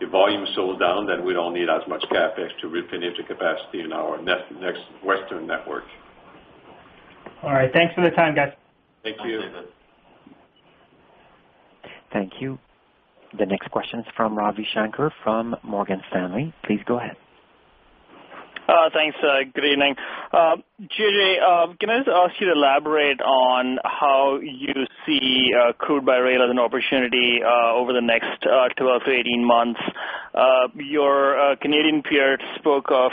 If volume slow down, then we don't need as much CapEx to replenish the capacity in our next Western network. All right. Thanks for the time, guys. Thank you. Thank you, David. Thank you. The next question is from Ravi Shanker from Morgan Stanley. Please go ahead. Thanks, good evening. JJ, can I just ask you to elaborate on how you see crude-by-rail as an opportunity over the next 12 to 18 months? Your Canadian peers spoke of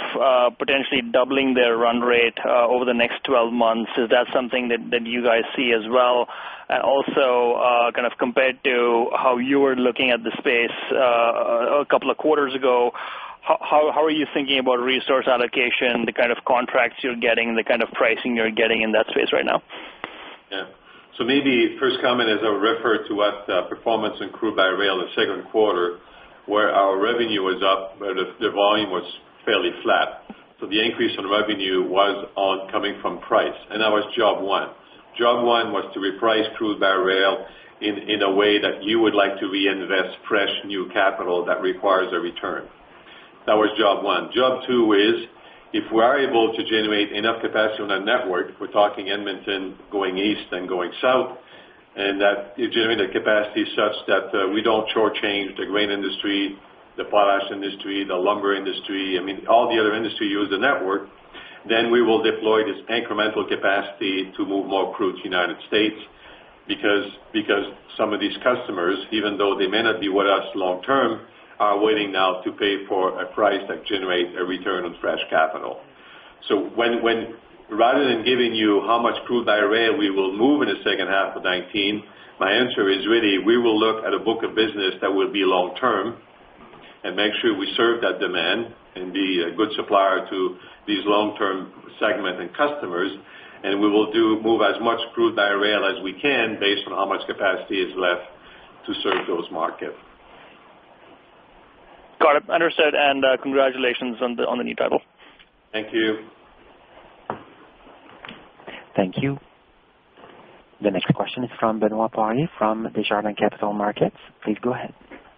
potentially doubling their run rate over the next 12 months. Is that something that you guys see as well? And also, kind of compared to how you were looking at the space a couple of quarters ago, how are you thinking about resource allocation, the kind of contracts you're getting, the kind of pricing you're getting in that space right now? Yeah. So maybe first comment, as I refer to what performance and crude by rail in the second quarter, where our revenue was up, but the volume was fairly flat. So the increase in revenue was coming from price, and that was job one. Job one was to reprice crude by rail in a way that you would like to reinvest fresh, new capital that requires a return. That was job one. Job two is, if we are able to generate enough capacity on our network, we're talking Edmonton, going east and going south, and that you generate a capacity such that we don't shortchange the grain industry, the potash industry, the lumber industry, I mean, all the other industry use the network, then we will deploy this incremental capacity to move more crude to United States, because, because some of these customers, even though they may not be with us long term, are waiting now to pay for a price that generates a return on fresh capital. So rather than giving you how much crude-by-rail we will move in the second half of 2019, my answer is really, we will look at a book of business that will be long-term and make sure we serve that demand and be a good supplier to these long-term segment and customers, and we will move as much crude-by-rail as we can based on how much capacity is left to serve those market. Got it. Understood, and, congratulations on the, on the new title. Thank you. Thank you. The next question is from Benoit Poirier, from Desjardins Capital Markets. Please go ahead.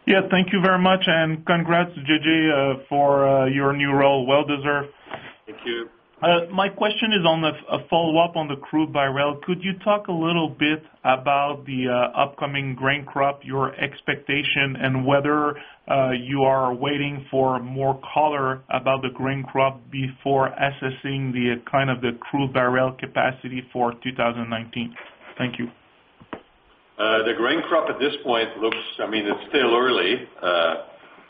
Yeah, thank you very much, and congrats, JJ, for your new role. Well deserved. Thank you. My question is on a follow-up on the crude by rail. Could you talk a little bit about the upcoming grain crop, your expectation, and whether you are waiting for more color about the grain crop before assessing kind of the crude by rail capacity for 2019? Thank you. The grain crop at this point looks, I mean, it's still early. You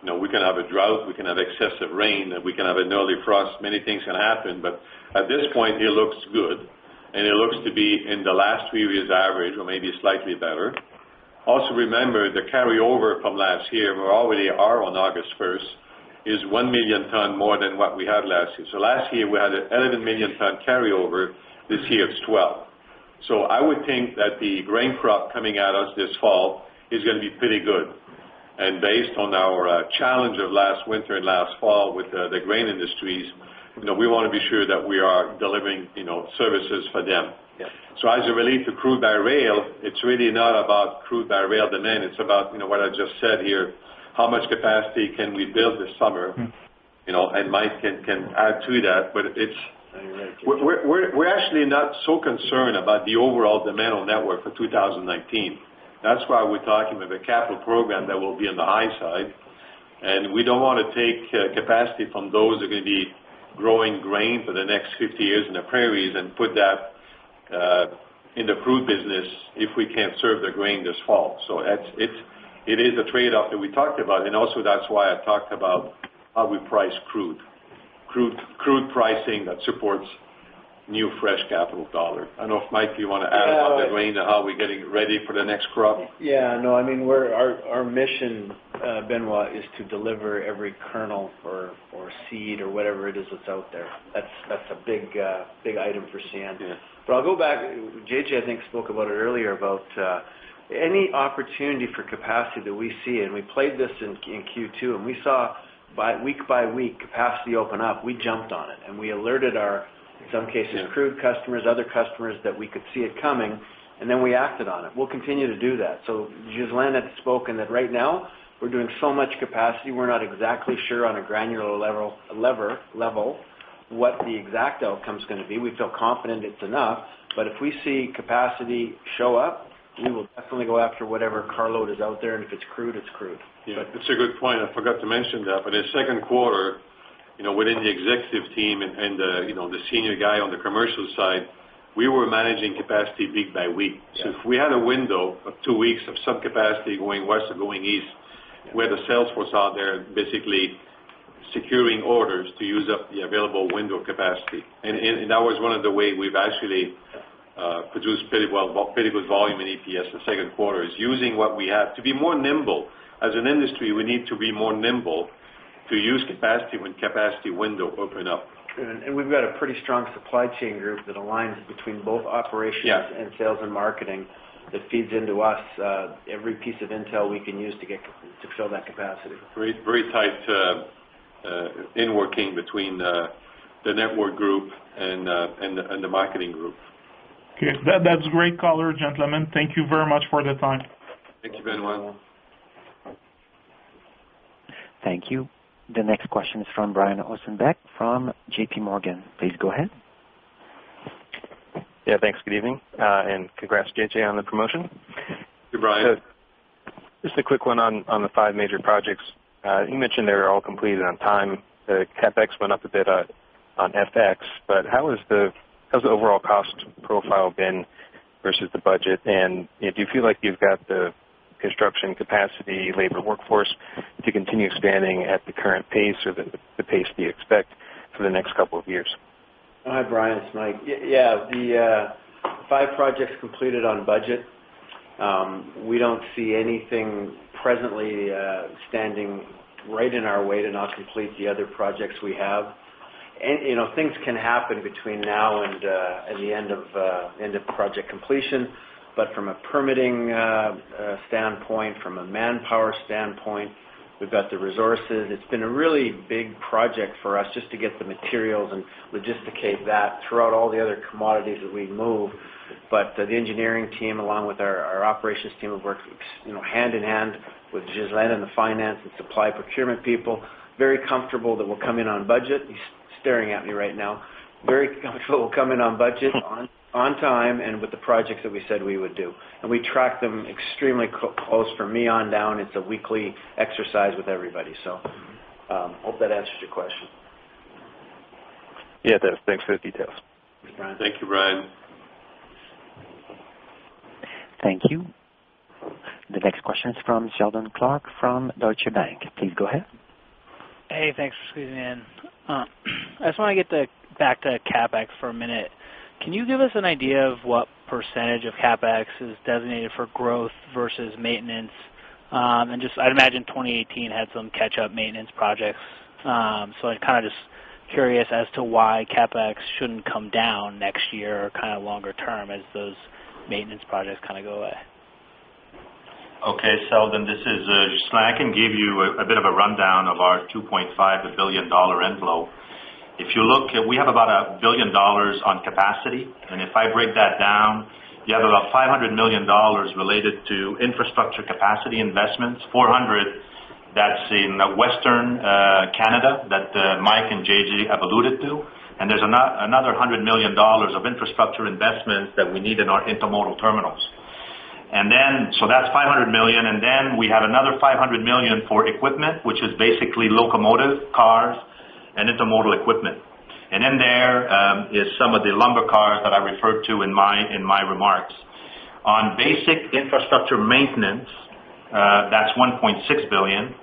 know, we can have a drought, we can have excessive rain, and we can have an early frost. Many things can happen, but at this point, it looks good, and it looks to be in the last three years average or maybe slightly better. Also, remember, the carryover from last year, we already are on August first, is one million ton more than what we had last year. So last year, we had an 11 million ton carryover. This year, it's 12. So I would think that the grain crop coming at us this fall is gonna be pretty good. And based on our challenge of last winter and last fall with the grain industries, you know, we want to be sure that we are delivering, you know, services for them. Yeah. So as it relates to crude by rail, it's really not about crude by rail demand, it's about, you know, what I just said here, how much capacity can we build this summer? Mm-hmm. You know, and Mike can add to that, but it's... I agree. We're actually not so concerned about the overall demand on network for 2019. That's why we're talking about the capital program that will be on the high side, and we don't want to take capacity from those that are going to be growing grain for the next 50 years in the Prairies and put that in the crude business if we can't serve the grain this fall. So that's-it's a trade-off that we talked about, and also that's why I talked about how we price crude. Crude pricing that supports new, fresh capital dollar. I don't know if, Mike, you want to add about the grain and how we're getting ready for the next crop? Yeah, no, I mean, our mission, Benoit, is to deliver every kernel or seed or whatever it is that's out there. That's a big item for CN. Yeah. But I'll go back. JJ, I think, spoke about it earlier about any opportunity for capacity that we see, and we played this in, in Q2, and we saw by week by week, capacity open up, we jumped on it, and we alerted our, in some cases, crude customers, other customers, that we could see it coming, and then we acted on it. We'll continue to do that. So Ghislain had spoken that right now we're doing so much capacity, we're not exactly sure on a granular level, what the exact outcome is gonna be. We feel confident it's enough, but if we see capacity show up, we will definitely go after whatever cargo load is out there, and if it's crude, it's crude. Yeah, that's a good point. I forgot to mention that, but in second quarter, you know, within the executive team and, you know, the senior guy on the commercial side, we were managing capacity week by week. Yeah. So if we had a window of two weeks of some capacity going west or going east, where the sales force out there basically-... securing orders to use up the available window capacity. And that was one of the way we've actually produced pretty well, pretty good volume in EPS the second quarter, is using what we have to be more nimble. As an industry, we need to be more nimble to use capacity when capacity window open up. And we've got a pretty strong supply chain group that aligns between both operations- Yeah and sales and marketing, that feeds into us, every piece of intel we can use to get, to fill that capacity. Very, very tight in working between the network group and the marketing group. Okay. That's great color, gentlemen. Thank you very much for the time. Thank you, Benoit. Thank you. The next question is from Brian Ossenbeck from JPMorgan. Please go ahead. Yeah, thanks. Good evening, and congrats, JJ, on the promotion. Hey, Brian. Just a quick one on the five major projects. You mentioned they were all completed on time. The CapEx went up a bit on FX, but how's the overall cost profile been versus the budget? And, do you feel like you've got the construction capacity, labor workforce to continue expanding at the current pace or the pace that you expect for the next couple of years? Hi, Brian, it's Mike. Yeah, the five projects completed on budget. We don't see anything presently standing right in our way to not complete the other projects we have. And, you know, things can happen between now and the end of project completion. But from a permitting standpoint, from a manpower standpoint, we've got the resources. It's been a really big project for us just to get the materials and logisticate that throughout all the other commodities that we move. But the engineering team, along with our operations team, have worked, you know, hand in hand with Ghislain and the finance and supply procurement people. Very comfortable that we'll come in on budget. He's staring at me right now. Very comfortable we'll come in on budget, on time, and with the projects that we said we would do. We track them extremely close from me on down. It's a weekly exercise with everybody. Hope that answers your question. Yeah, it does. Thanks for the details. Thank you, Brian. Thank you, Brian. Thank you. The next question is from Seldon Clarke, from Deutsche Bank. Please go ahead. Hey, thanks for squeezing in. I just wanna get to, back to CapEx for a minute. Can you give us an idea of what percentage of CapEx is designated for growth versus maintenance? And just I'd imagine 2018 had some catch-up maintenance projects. So I'm kind of just curious as to why CapEx shouldn't come down next year or kind of longer term as those maintenance projects kind of go away. Okay, Seldon, this is Ghislain. I can give you a bit of a rundown of our $2.5 billion inflow. If you look, we have about $1 billion on capacity, and if I break that down, you have about $500 million related to infrastructure capacity investments. $400 million, that's in Western Canada, that Mike and JJ have alluded to. And there's another $100 million of infrastructure investments that we need in our intermodal terminals. And then, so that's $500 million, and then we have another $500 million for equipment, which is basically locomotive, cars, and intermodal equipment. And in there is some of the lumber cars that I referred to in my remarks. On basic infrastructure maintenance, that's $1.6 billion,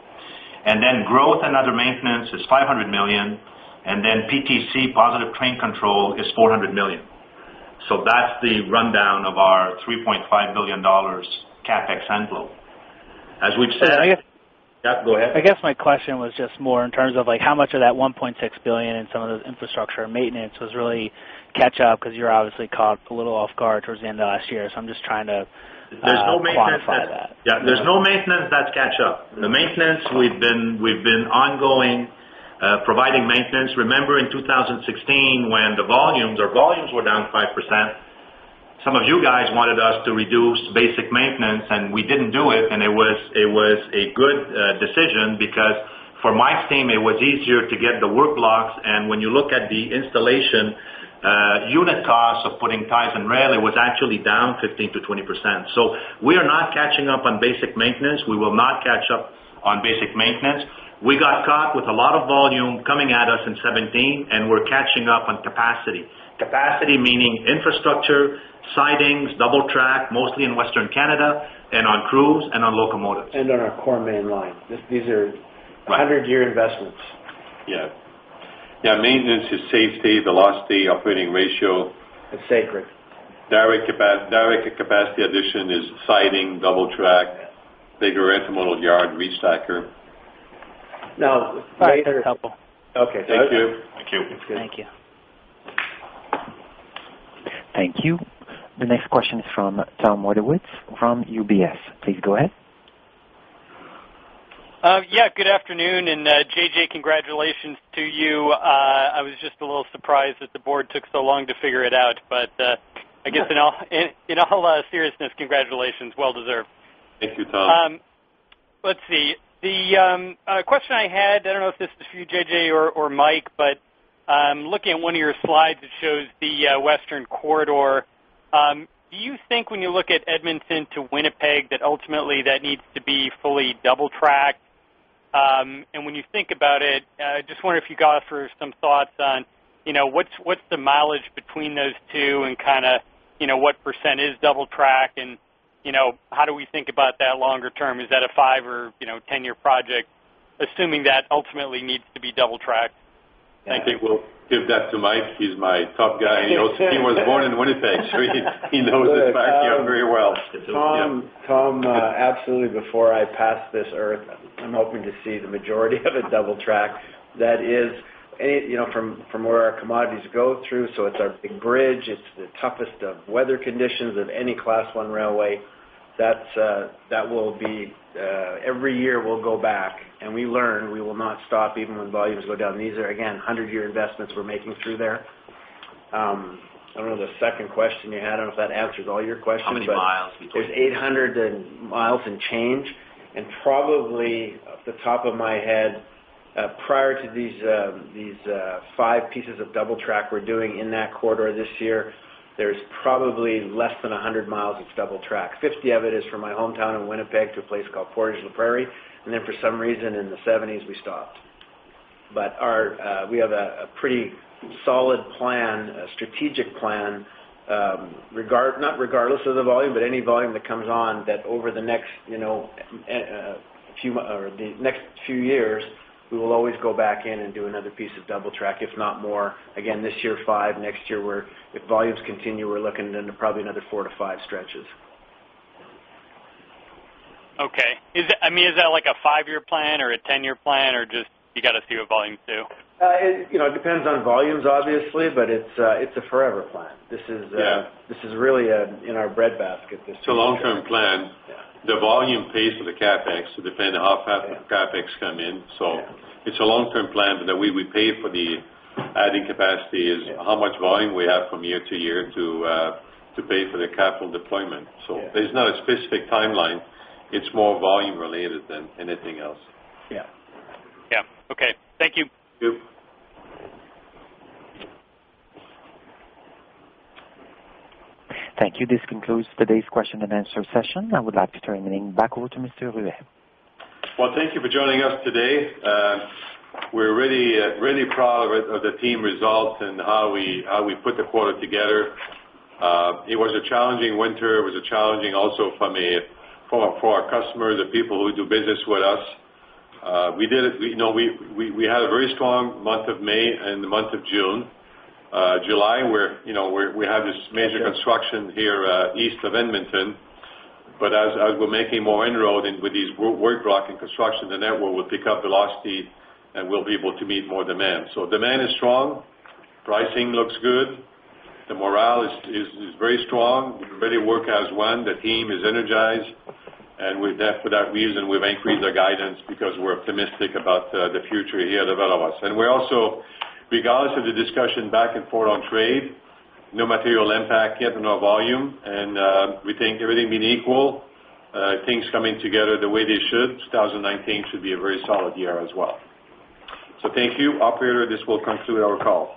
and then growth and other maintenance is $500 million, and then PTC, Positive Train Control, is $400 million. So that's the rundown of our $3.5 billion CapEx envelope. As we've said- I guess- Yeah, go ahead. I guess my question was just more in terms of, like, how much of that $1.6 billion in some of those infrastructure and maintenance was really catch up, because you're obviously caught a little off guard towards the end of last year. So I'm just trying to, There's no maintenance. -quantify that. Yeah, there's no maintenance that's catch up. The maintenance we've been, we've been ongoing, providing maintenance. Remember in 2016, when the volumes, our volumes were down 5%, some of you guys wanted us to reduce basic maintenance, and we didn't do it, and it was, it was a good, decision. Because for my team, it was easier to get the work blocks, and when you look at the installation, unit costs of putting ties and rail, it was actually down 15%-20%. So we are not catching up on basic maintenance. We will not catch up on basic maintenance. We got caught with a lot of volume coming at us in 2017, and we're catching up on capacity. Capacity, meaning infrastructure, sidings, double track, mostly in Western Canada, and on crews and on locomotives. On our core main line. These are 100-year investments. Yeah. Yeah, maintenance is safety, velocity, operating ratio. It's sacred. Direct capacity addition is siding, double track. Yeah bigger intermodal yard, reach stacker. Now. Okay, thank you. Thank you. Thank you. Thank you. The next question is from Tom Wadewitz from UBS. Please go ahead. Yeah, good afternoon, and, JJ, congratulations to you. I was just a little surprised that the Board took so long to figure it out, but, I guess in all seriousness, congratulations. Well deserved. Thank you, Tom. Let's see. The question I had, I don't know if this is for you, JJ or Mike, but looking at one of your slides, it shows the western corridor. Do you think when you look at Edmonton to Winnipeg, that ultimately that needs to be fully double track? And when you think about it, just wonder if you could go through some thoughts on, you know, what's the mileage between those two and kind of, you know, what percent is double track, you know, how do we think about that longer term? Is that a five or, you know, 10-year project, assuming that ultimately needs to be double-tracked? I think we'll give that to Mike. He's my top guy, and he was born in Winnipeg, so he knows this track very well. Tom, Tom, absolutely, before I pass this earth, I'm hoping to see the majority of a double track. That is, you know, from, from where our commodities go through, so it's our big bridge. It's the toughest of weather conditions of any Class I railway. That's, that will be, every year we'll go back, and we learn we will not stop even when volumes go down. These are, again, 100-year investments we're making through there. I don't know the second question you had. I don't know if that answers all your questions. How many miles between? There's 800 mi and change, and probably, off the top of my head, prior to these, these, five pieces of double track we're doing in that quarter this year, there's probably less than 100 mi of double track. 50 of it is from my hometown in Winnipeg to a place called Portage la Prairie, and then for some reason, in the 1970s, we stopped. But our, we have a, a pretty solid plan, a strategic plan, regarding, not regardless of the volume, but any volume that comes on, that over the next, you know, few months or the next few years, we will always go back in and do another piece of double track, if not more. Again, this year, five. Next year, we're-- if volumes continue, we're looking into probably another four to five stretches. Okay. I mean, is that like a five-year plan or a 10-year plan, or just you gotta see what volumes do? You know, it depends on volumes, obviously, but it's a forever plan. Yeah. This is, this is really, in our breadbasket. It's a long-term plan. Yeah. The volume pace of the CapEx depend on how CapEx come in. Yeah. It's a long-term plan, but the way we pay for the adding capacity- Yeah is how much volume we have from year-to-year to, to pay for the capital deployment. Yeah. There's no specific timeline. It's more volume related than anything else. Yeah. Yeah. Okay. Thank you. Thank you. Thank you. This concludes today's question and answer session. I would like to turn the link back over to Mr. Ruest. Well, thank you for joining us today. We're really, really proud of it, of the team results and how we put the quarter together. It was a challenging winter. It was a challenging also from a, for, for our customers, the people who do business with us. We did it. We know we had a very strong month of May and the month of June. July, we're, you know, we're, we have this major construction here, east of Edmonton, but as we're making more inroads in with these work blocks and construction, the network will pick up velocity, and we'll be able to meet more demand. So demand is strong. Pricing looks good. The morale is very strong. We really work as one. The team is energized, and with that, for that reason, we've increased our guidance because we're optimistic about the future here at CN. We're also, regardless of the discussion back and forth on trade, no material impact yet on our volume, and we think everything being equal, things coming together the way they should, 2019 should be a very solid year as well. So thank you. Operator, this will conclude our call.